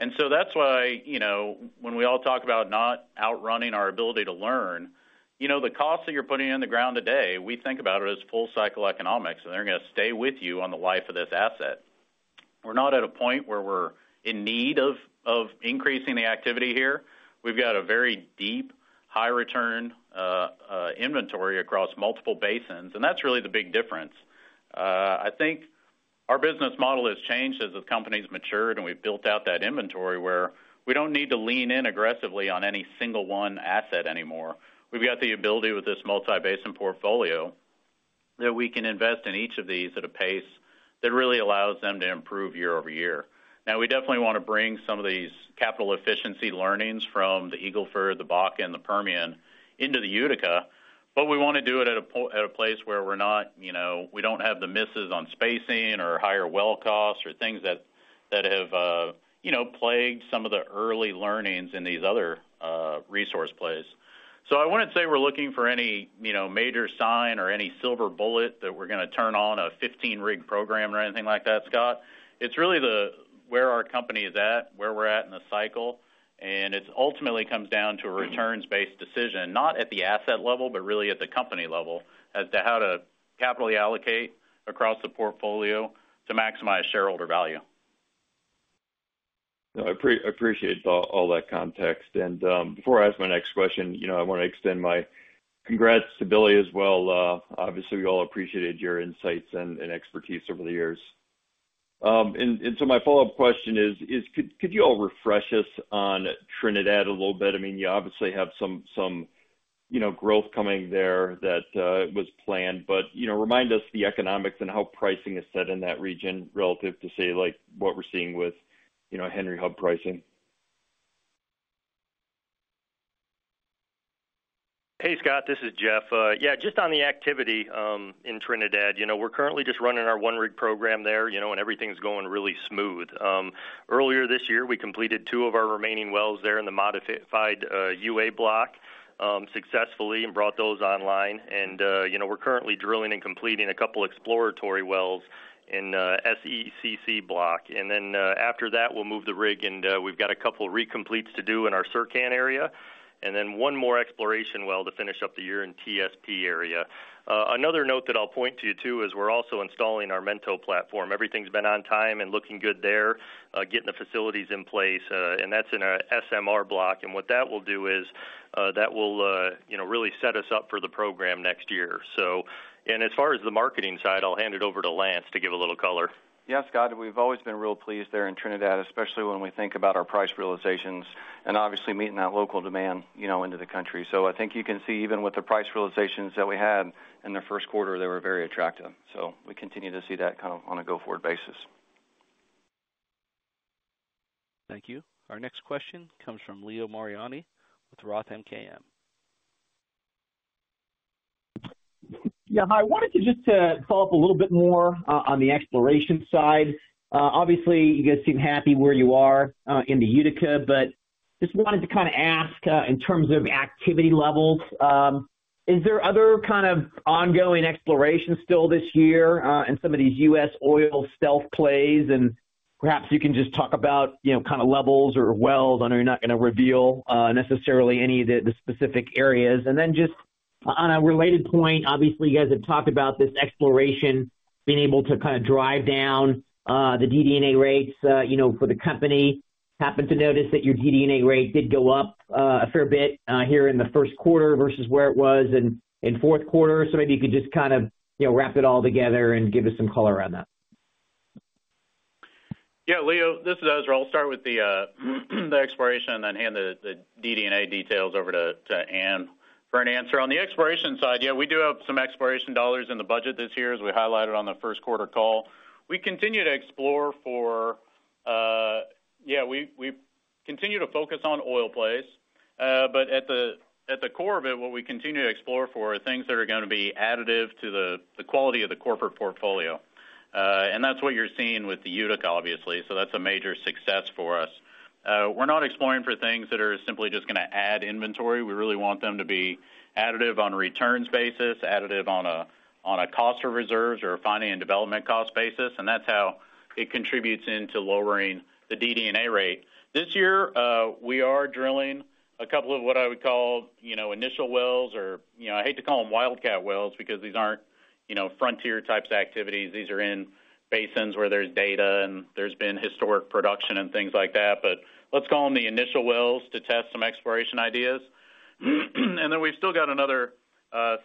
And so that's why, you know, when we all talk about not outrunning our ability to learn, you know, the costs that you're putting in the ground today, we think about it as full cycle economics, and they're gonna stay with you on the life of this asset. We're not at a point where we're in need of increasing the activity here. We've got a very deep, high return inventory across multiple basins, and that's really the big difference. I think our business model has changed as the company's matured, and we've built out that inventory where we don't need to lean in aggressively on any single one asset anymore. We've got the ability with this multi-basin portfolio, that we can invest in each of these at a pace that really allows them to improve year-over-year. Now, we definitely want to bring some of these capital efficiency learnings from the Eagle Ford, the Bakken, the Permian into the Utica, but we wanna do it at a place where we're not, you know, we don't have the misses on spacing or higher well costs or things that have, you know, plagued some of the early learnings in these other resource plays. So I wouldn't say we're looking for any, you know, major sign or any silver bullet that we're gonna turn on a 15-rig program or anything like that, Scott. It's really the, where our company is at, where we're at in the cycle, and it ultimately comes down to a returns-based decision, not at the asset level, but really at the company level, as to how to capitally allocate across the portfolio to maximize shareholder value. I appreciate all that context. Before I ask my next question, you know, I wanna extend my congrats to Billy as well. Obviously, we all appreciated your insights and expertise over the years. So my follow-up question is, could you all refresh us on Trinidad a little bit? I mean, you obviously have some growth coming there that was planned, but, you know, remind us the economics and how pricing is set in that region relative to, say, like, what we're seeing with Henry Hub pricing. Hey, Scott, this is Jeff. Yeah, just on the activity in Trinidad, you know, we're currently just running our one-rig program there, you know, and everything's going really smooth. Earlier this year, we completed two of our remaining wells there in the Modified U(a) block successfully and brought those online. You know, we're currently drilling and completing a couple exploratory wells in SECC block. Then after that, we'll move the rig, and we've got a couple recompletes to do in our Sercan area, and then one more exploration well to finish up the year in TSP area. Another note that I'll point to you, too, is we're also installing our Mento platform. Everything's been on time and looking good there, getting the facilities in place, and that's in our SMR block. What that will do is that will, you know, really set us up for the program next year, so... As far as the marketing side, I'll hand it over to Lance to give a little color. Yeah, Scott, we've always been real pleased there in Trinidad, especially when we think about our price realizations and obviously meeting that local demand, you know, into the country. So I think you can see, even with the price realizations that we had in the first quarter, they were very attractive. So we continue to see that kind of on a go-forward basis. Thank you. Our next question comes from Leo Mariani with Roth MKM. Yeah. Hi, I wanted to just follow up a little bit more on the exploration side. Obviously, you guys seem happy where you are in the Utica, but just wanted to kinda ask in terms of activity levels, is there other kind of ongoing exploration still this year in some of these U.S. oil stealth plays? And perhaps you can just talk about, you know, kinda levels or wells. I know you're not gonna reveal necessarily any of the specific areas. And then just on a related point, obviously, you guys have talked about this exploration being able to kinda drive down the DD&A rates, you know, for the company. Happened to notice that your DD&A rate did go up a fair bit here in the first quarter versus where it was in fourth quarter. Maybe you could just kind of, you know, wrap it all together and give us some color on that.... Yeah, Leo, this is Ezra. I'll start with the exploration, and then hand the DD&A details over to Ann for an answer. On the exploration side, yeah, we do have some exploration dollars in the budget this year, as we highlighted on the first quarter call. We continue to explore for. Yeah, we continue to focus on oil plays, but at the core of it, what we continue to explore for are things that are gonna be additive to the quality of the corporate portfolio. And that's what you're seeing with the Utica, obviously, so that's a major success for us. We're not exploring for things that are simply just gonna add inventory. We really want them to be additive on a returns basis, additive on a, on a cost of reserves or a finding and development cost basis, and that's how it contributes into lowering the DD&A rate. This year, we are drilling a couple of what I would call, you know, initial wells or, you know, I hate to call them wildcat wells because these aren't, you know, frontier types of activities. These are in basins where there's data and there's been historic production and things like that. But let's call them the initial wells to test some exploration ideas. And then we've still got another,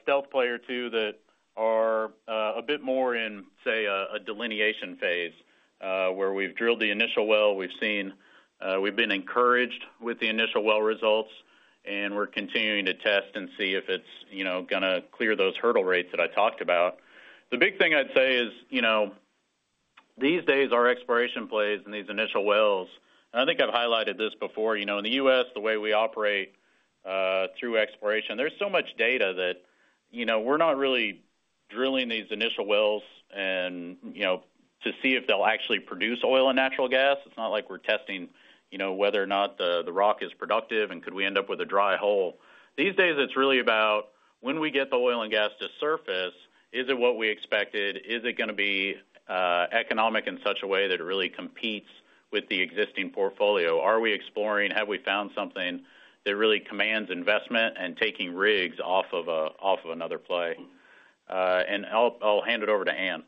stealth play or two, that are, a bit more in, say, a, a delineation phase, where we've drilled the initial well. We've seen, we've been encouraged with the initial well results, and we're continuing to test and see if it's, you know, gonna clear those hurdle rates that I talked about. The big thing I'd say is, you know, these days, our exploration plays and these initial wells, and I think I've highlighted this before, you know, in the U.S., the way we operate through exploration, there's so much data that, you know, we're not really drilling these initial wells and, you know, to see if they'll actually produce oil and natural gas. It's not like we're testing, you know, whether or not the rock is productive and could we end up with a dry hole. These days, it's really about when we get the oil and gas to surface, is it what we expected? Is it gonna be economic in such a way that it really competes with the existing portfolio? Are we exploring? Have we found something that really commands investment and taking rigs off of another play? I'll hand it over to Ann.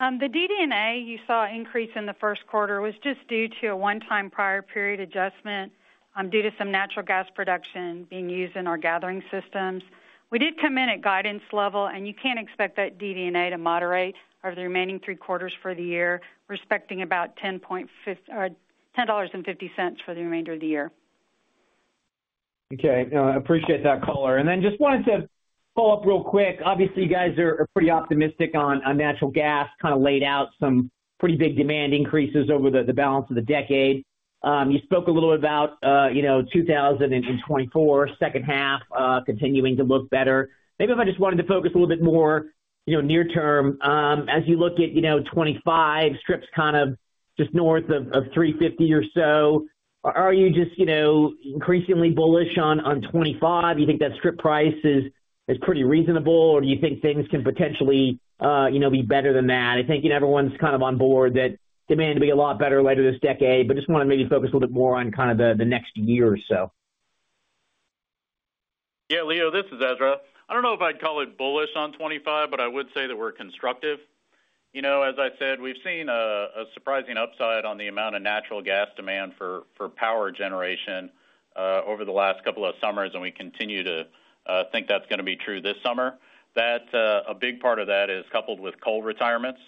The DD&A you saw increase in the first quarter was just due to a one-time prior period adjustment, due to some natural gas production being used in our gathering systems. We did come in at guidance level, and you can expect that DD&A to moderate over the remaining three quarters for the year, expecting about $10.50 for the remainder of the year. Okay, appreciate that color. And then just wanted to follow up real quick. Obviously, you guys are pretty optimistic on natural gas, kind of laid out some pretty big demand increases over the balance of the decade. You spoke a little bit about, you know, 2024, second half, continuing to look better. Maybe if I just wanted to focus a little bit more, you know, near term, as you look at, you know, 2025 strips kind of just north of $3.50 or so, are you just, you know, increasingly bullish on 2025? You think that strip price is pretty reasonable, or do you think things can potentially, you know, be better than that? I think, you know, everyone's kind of on board that demand will be a lot better later this decade, but just want to maybe focus a little bit more on kind of the next year or so. Yeah, Leo, this is Ezra. I don't know if I'd call it bullish on 2025, but I would say that we're constructive. You know, as I said, we've seen a surprising upside on the amount of natural gas demand for power generation over the last couple of summers, and we continue to think that's gonna be true this summer. That a big part of that is coupled with coal retirements.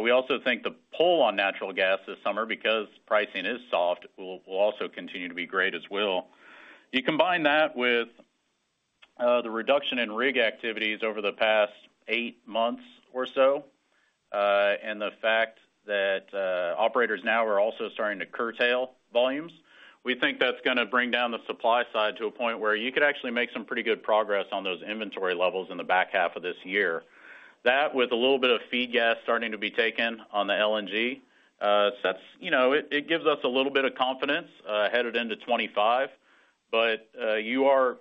We also think the pull on natural gas this summer, because pricing is soft, will also continue to be great as well. You combine that with the reduction in rig activities over the past eight months or so and the fact that operators now are also starting to curtail volumes. We think that's gonna bring down the supply side to a point where you could actually make some pretty good progress on those inventory levels in the back half of this year. That, with a little bit of feed gas starting to be taken on the LNG, that's, you know, it gives us a little bit of confidence headed into 25. But, you are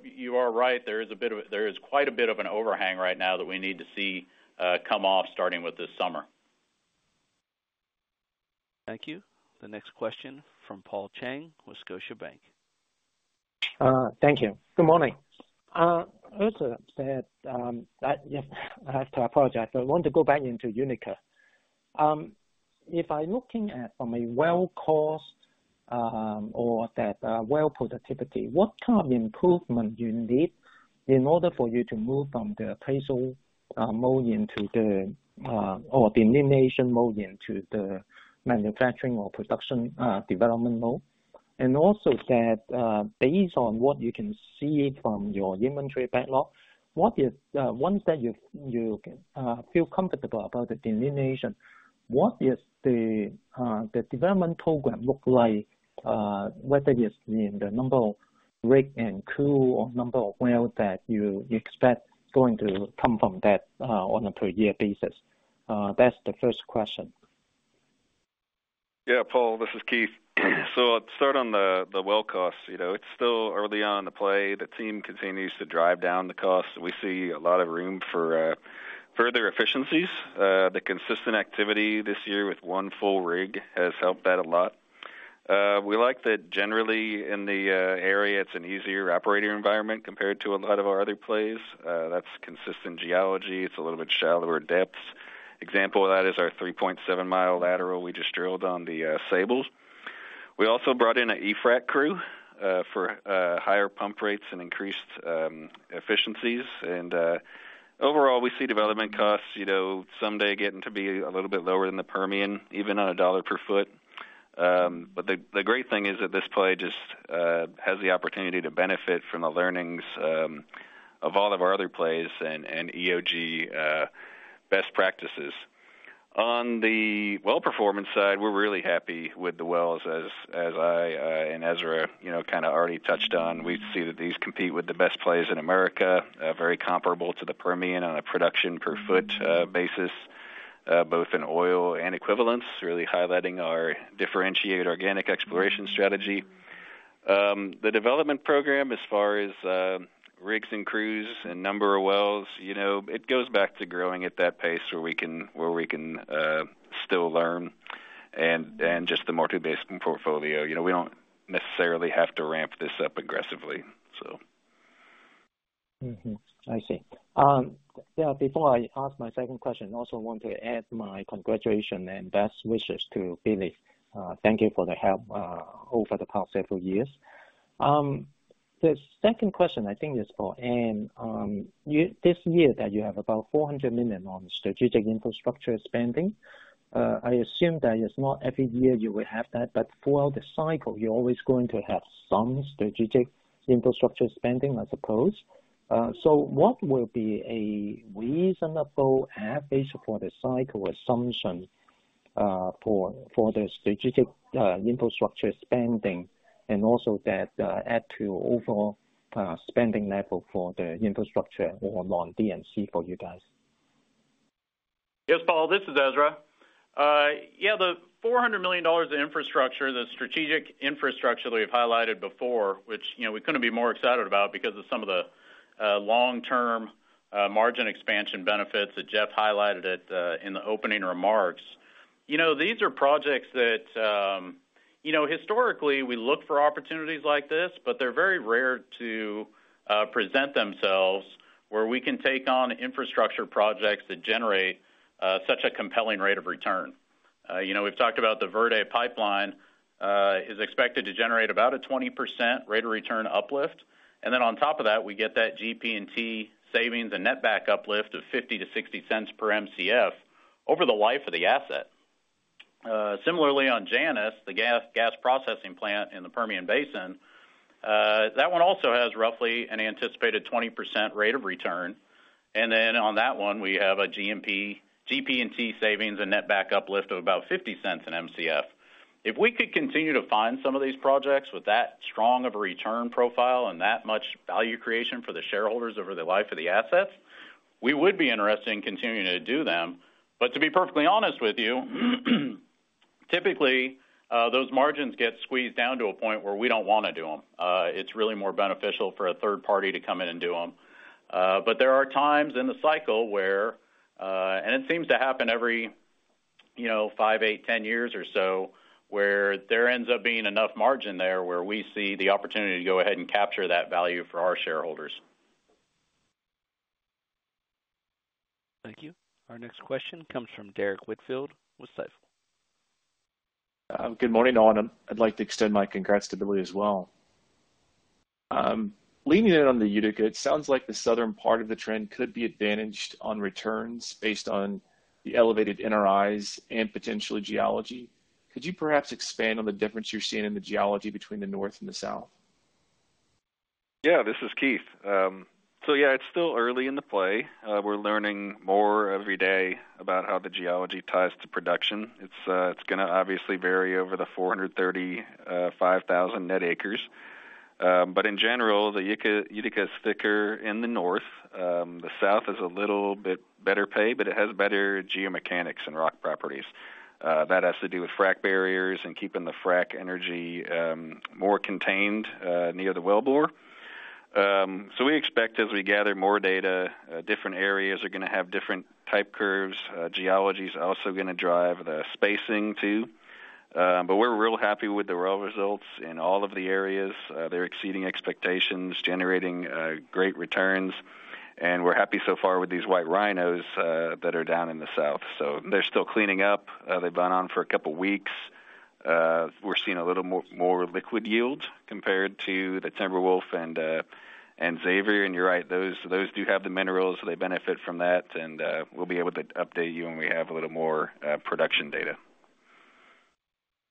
right, there is quite a bit of an overhang right now that we need to see come off starting with this summer. Thank you. The next question from Paul Cheng, with Scotiabank. Thank you. Good morning. Ezra said, yes, I have to apologize. I want to go back into Utica. If I'm looking at from a well cost, or that, well productivity, what kind of improvement you need in order for you to move from the appraisal mode into the or the elimination mode into the manufacturing or production development mode? And also that, based on what you can see from your inventory backlog, what is, once that you feel comfortable about the delineation, what is the development program look like? Whether it's in the number of rig and crew or number of wells that you expect going to come from that, on a per year basis? That's the first question. Yeah, Paul, this is Keith. So I'll start on the well costs. You know, it's still early on in the play. The team continues to drive down the costs. We see a lot of room for further efficiencies. The consistent activity this year with one full rig has helped that a lot. We like that generally in the area. It's an easier operating environment compared to a lot of our other plays. That's consistent geology. It's a little bit shallower depths. Example of that is our 3.7-mi lateral we just drilled on the Sable. ...We also brought in a e-frac crew for higher pump rates and increased efficiencies. And overall, we see development costs, you know, someday getting to be a little bit lower than the Permian, even on a dollar per foot. But the great thing is that this play just has the opportunity to benefit from the learnings of all of our other plays and EOG best practices. On the well performance side, we're really happy with the wells as I and Ezra, you know, kinda already touched on. We see that these compete with the best players in America, very comparable to the Permian on a production per foot basis, both in oil and equivalents, really highlighting our differentiated organic exploration strategy. The development program, as far as rigs and crews and number of wells, you know, it goes back to growing at that pace where we can still learn and just the more two-basin portfolio. You know, we don't necessarily have to ramp this up aggressively, so. Mm-hmm. I see. Yeah, before I ask my second question, I also want to add my congratulations and best wishes to Billy. Thank you for the help over the past several years. The second question, I think, is for Ann. You this year that you have about $400 million on strategic infrastructure spending. I assume that it's not every year you would have that, but throughout the cycle, you're always going to have some strategic infrastructure spending, I suppose. So what will be a reasonable average for the cycle assumption for the strategic infrastructure spending, and also that add to overall spending level for the infrastructure overall, D&C for you guys? Yes, Paul, this is Ezra. Yeah, the $400 million in infrastructure, the strategic infrastructure that we've highlighted before, which, you know, we couldn't be more excited about because of some of the long-term margin expansion benefits that Jeff highlighted at the, in the opening remarks. You know, these are projects that. You know, historically, we look for opportunities like this, but they're very rare to present themselves, where we can take on infrastructure projects that generate such a compelling rate of return. You know, we've talked about the Verde Pipeline is expected to generate about a 20% rate of return uplift. And then on top of that, we get that GP&T Savings and Netback Uplift of $0.50-$0.60 per Mcf over the life of the asset. Similarly, on Janus, the gas processing plant in the Permian Basin, that one also has roughly an anticipated 20% rate of return. And then on that one, we have a GMP-- GP&T Savings and Netback Uplift of about $0.50/Mcf. If we could continue to find some of these projects with that strong of a return profile and that much value creation for the shareholders over the life of the assets, we would be interested in continuing to do them. But to be perfectly honest with you, typically, those margins get squeezed down to a point where we don't wanna do them. It's really more beneficial for a third party to come in and do them. But there are times in the cycle where, and it seems to happen every, you know, five, eight, 10 years or so, where there ends up being enough margin there, where we see the opportunity to go ahead and capture that value for our shareholders. Thank you. Our next question comes from Derrick Whitfield with Stifel. Good morning, all. I'd like to extend my congrats to Billy as well. Leaning in on the Utica, it sounds like the southern part of the trend could be advantaged on returns based on the elevated NRIs and potentially geology. Could you perhaps expand on the difference you're seeing in the geology between the north and the south? Yeah, this is Keith. So yeah, it's still early in the play. We're learning more every day about how the geology ties to production. It's, it's gonna obviously vary over the 435,000 net acres. But in general, the Utica, Utica is thicker in the north. The south is a little bit better pay, but it has better geomechanics and rock properties. That has to do with frack barriers and keeping the frack energy, more contained, near the wellbore. So we expect as we gather more data, different areas are gonna have different type curves. Geology is also gonna drive the spacing, too. But we're real happy with the well results in all of the areas. They're exceeding expectations, generating great returns, and we're happy so far with these White Rhinos that are down in the south. So they're still cleaning up. They've been on for a couple of weeks. We're seeing a little more, more liquid yield compared to the Timberwolf and and Xavier, and you're right, those, those do have the minerals, so they benefit from that, and we'll be able to update you when we have a little more production data.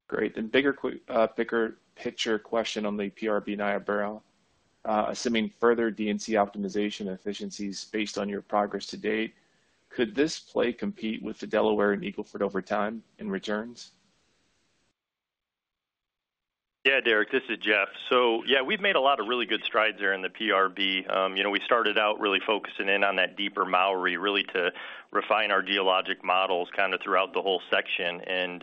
Great. Then bigger picture question on the PRB Niobrara. Assuming further D and C optimization efficiencies based on your progress to date, could this play compete with the Delaware and Eagle Ford over time in returns? Yeah, Derrick, this is Jeff. So yeah, we've made a lot of really good strides there in the PRB. You know, we started out really focusing in on that deeper Mowry, really to refine our geologic models kinda throughout the whole section. And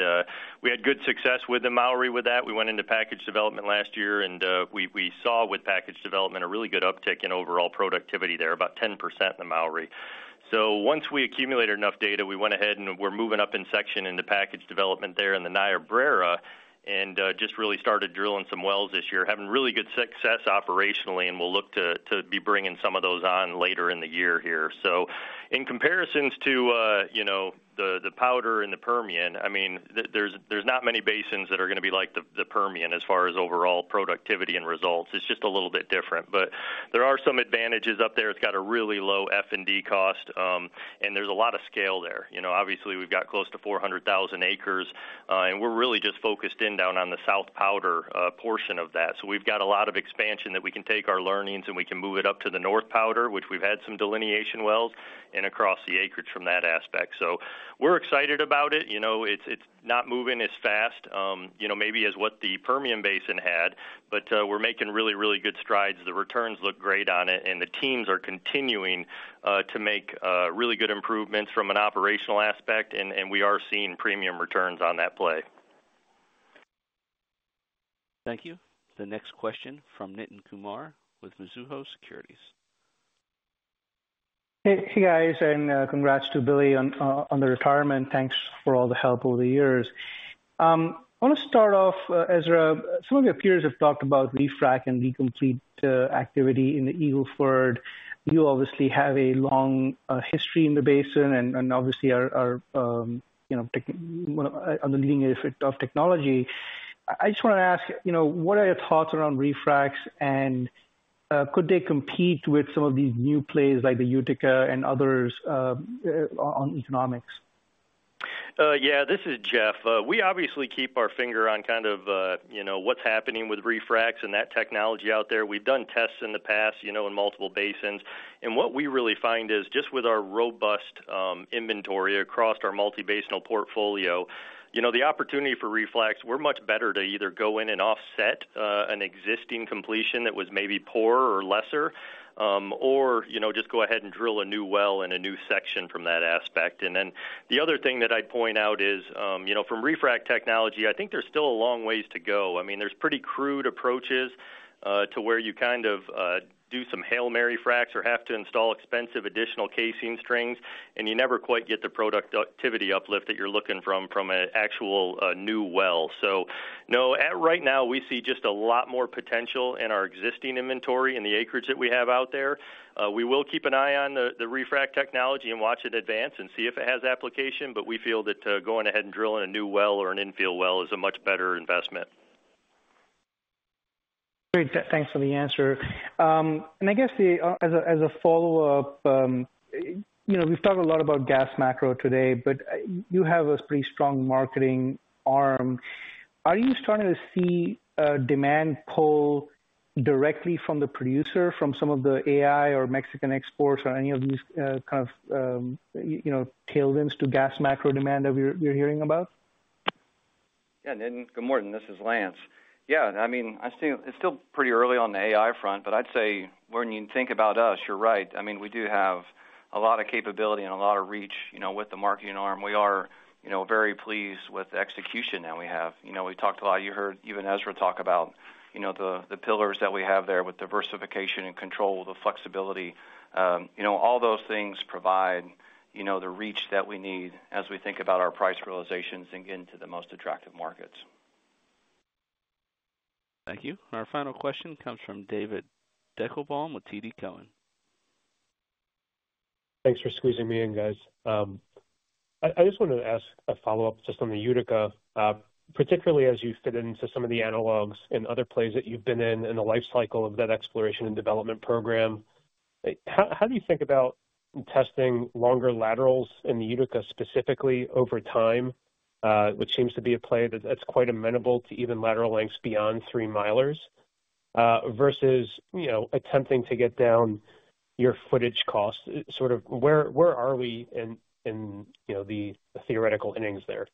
we had good success with the Mowry with that. We went into package development last year, and we saw with package development a really good uptick in overall productivity there, about 10% in the Mowry. ...So once we accumulated enough data, we went ahead and we're moving up in section in the package development there in the Niobrara, and just really started drilling some wells this year, having really good success operationally, and we'll look to be bringing some of those on later in the year here. So in comparisons to, you know, the Powder and the Permian, I mean, there's not many basins that are going to be like the Permian as far as overall productivity and results. It's just a little bit different. But there are some advantages up there. It's got a really low F&D cost, and there's a lot of scale there. You know, obviously, we've got close to 400,000 acres, and we're really just focused in down on the South Powder portion of that. So we've got a lot of expansion that we can take our learnings and we can move it up to the North Powder, which we've had some delineation wells and across the acreage from that aspect. So we're excited about it. You know, it's, it's not moving as fast, you know, maybe as what the Permian Basin had, but, we're making really, really good strides. The returns look great on it, and the teams are continuing to make really good improvements from an operational aspect, and, and we are seeing premium returns on that play. Thank you. The next question from Nitin Kumar with Mizuho Securities. Hey, hey, guys, and congrats to Billy on the retirement. Thanks for all the help over the years. I want to start off, Ezra, some of your peers have talked about refrac and recomplete activity in the Eagle Ford. You obviously have a long history in the basin and obviously are, you know, on the leading edge of technology. I just want to ask, you know, what are your thoughts around refracs, and could they compete with some of these new plays like the Utica and others on economics? Yeah, this is Jeff. We obviously keep our finger on kind of, you know, what's happening with refracs and that technology out there. We've done tests in the past, you know, in multiple basins, and what we really find is just with our robust inventory across our multi-basinal portfolio, you know, the opportunity for refracs, we're much better to either go in and offset an existing completion that was maybe poor or lesser, or, you know, just go ahead and drill a new well in a new section from that aspect. And then the other thing that I'd point out is, you know, from refrac technology, I think there's still a long ways to go. I mean, there's pretty crude approaches to where you kind of do some Hail Mary fracs or have to install expensive additional casing strings, and you never quite get the productivity uplift that you're looking from an actual new well. So no, at right now, we see just a lot more potential in our existing inventory and the acreage that we have out there. We will keep an eye on the refrac technology and watch it advance and see if it has application, but we feel that going ahead and drilling a new well or an infill well is a much better investment. Great. Thanks for the answer. And I guess as a follow-up, you know, we've talked a lot about gas macro today, but you have a pretty strong marketing arm. Are you starting to see demand pull directly from the producer, from some of the AI or Mexican exports or any of these, you know, tailwinds to gas macro demand that we're, you're hearing about? Yeah, Niten, good morning. This is Lance. Yeah, I mean, I still... It's still pretty early on the AI front, but I'd say when you think about us, you're right. I mean, we do have a lot of capability and a lot of reach, you know, with the marketing arm. We are, you know, very pleased with the execution that we have. You know, we talked a lot. You heard even Ezra talk about, you know, the pillars that we have there with diversification and control, the flexibility. You know, all those things provide, you know, the reach that we need as we think about our price realizations and getting to the most attractive markets. Thank you. Our final question comes from David Deckelbaum with TD Cowen. Thanks for squeezing me in, guys. I just wanted to ask a follow-up just on the Utica, particularly as you fit into some of the analogs in other plays that you've been in, in the life cycle of that exploration and development program. How do you think about testing longer laterals in the Utica, specifically over time, which seems to be a play that's quite amenable to even lateral lengths beyond three milers, versus, you know, attempting to get down your footage costs? Sort of where are we in, you know, the theoretical innings there?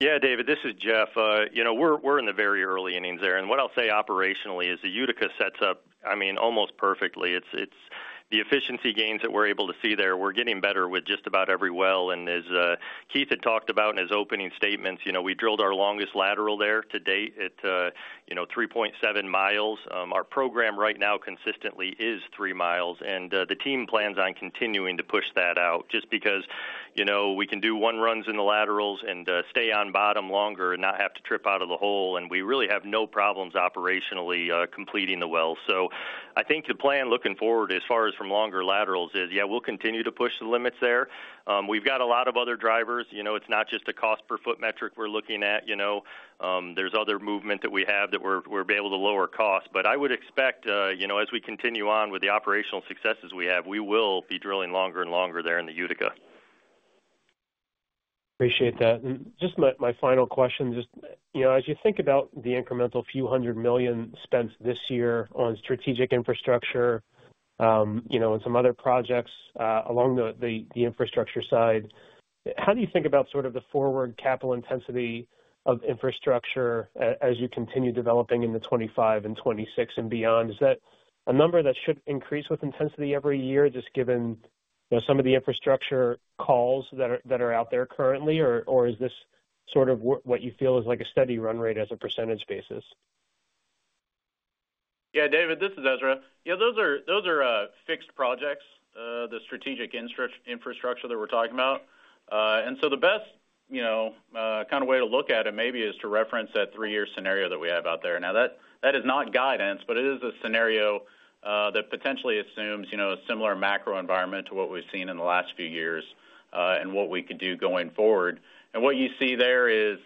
Yeah, David, this is Jeff. You know, we're in the very early innings there, and what I'll say operationally is the Utica sets up, I mean, almost perfectly. It's the efficiency gains that we're able to see there, we're getting better with just about every well. And as Keith had talked about in his opening statements, you know, we drilled our longest lateral there to date at, you know, 3.7 mi. Our program right now consistently is 3 mi, and the team plans on continuing to push that out just because, you know, we can do one runs in the laterals and stay on bottom longer and not have to trip out of the hole, and we really have no problems operationally completing the well. I think the plan looking forward as far as from longer laterals is, yeah, we'll continue to push the limits there. We've got a lot of other drivers. You know, it's not just a cost per foot metric we're looking at, you know? There's other movement that we have that we're able to lower cost. But I would expect, you know, as we continue on with the operational successes we have, we will be drilling longer and longer there in the Utica. Appreciate that. Just my final question, just, you know, as you think about the incremental few hundred million spent this year on strategic infrastructure, you know, and some other projects, along the infrastructure side, how do you think about sort of the forward capital intensity of infrastructure as you continue developing in the 2025 and 2026 and beyond? Is that a number that should increase with intensity every year, just given, you know, some of the infrastructure calls that are out there currently, or is this sort of what you feel is like a steady run rate as a percentage basis?... Yeah, David, this is Ezra. Yeah, those are those are fixed projects, the strategic infrastructure that we're talking about. And so the best, you know, kind of way to look at it maybe is to reference that three-year scenario that we have out there. Now, that is not guidance, but it is a scenario that potentially assumes, you know, a similar macro environment to what we've seen in the last few years, and what we could do going forward. And what you see there is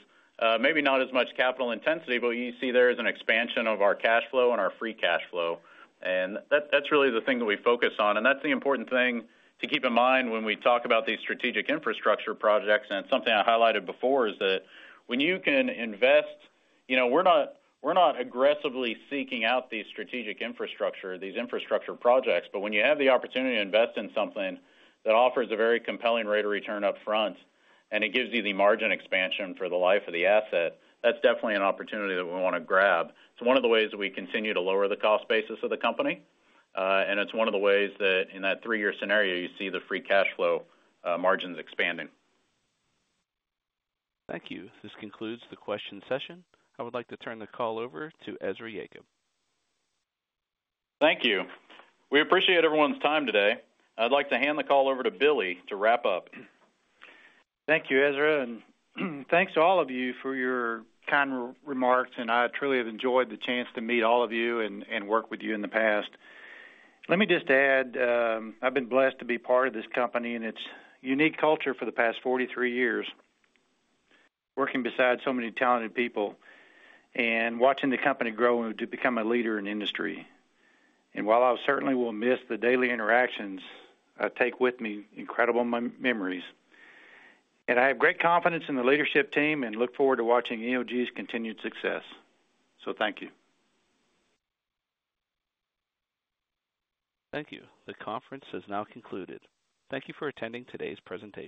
maybe not as much capital intensity, but what you see there is an expansion of our cash flow and our free cash flow. And that, that's really the thing that we focus on, and that's the important thing to keep in mind when we talk about these strategic infrastructure projects. It's something I highlighted before, is that when you can invest... You know, we're not, we're not aggressively seeking out these strategic infrastructure, these infrastructure projects, but when you have the opportunity to invest in something that offers a very compelling rate of return upfront, and it gives you the margin expansion for the life of the asset, that's definitely an opportunity that we want to grab. It's one of the ways that we continue to lower the cost basis of the company, and it's one of the ways that in that three-year scenario, you see the free cash flow, margins expanding. Thank you. This concludes the question session. I would like to turn the call over to Ezra Yacob. Thank you. We appreciate everyone's time today. I'd like to hand the call over to Billy to wrap up. Thank you, Ezra, and thanks to all of you for your kind remarks, and I truly have enjoyed the chance to meet all of you and work with you in the past. Let me just add, I've been blessed to be part of this company and its unique culture for the past 43 years, working beside so many talented people and watching the company grow to become a leader in the industry. And while I certainly will miss the daily interactions, I take with me incredible memories, and I have great confidence in the leadership team and look forward to watching EOG's continued success. So thank you. Thank you. The conference has now concluded. Thank you for attending today's presentation.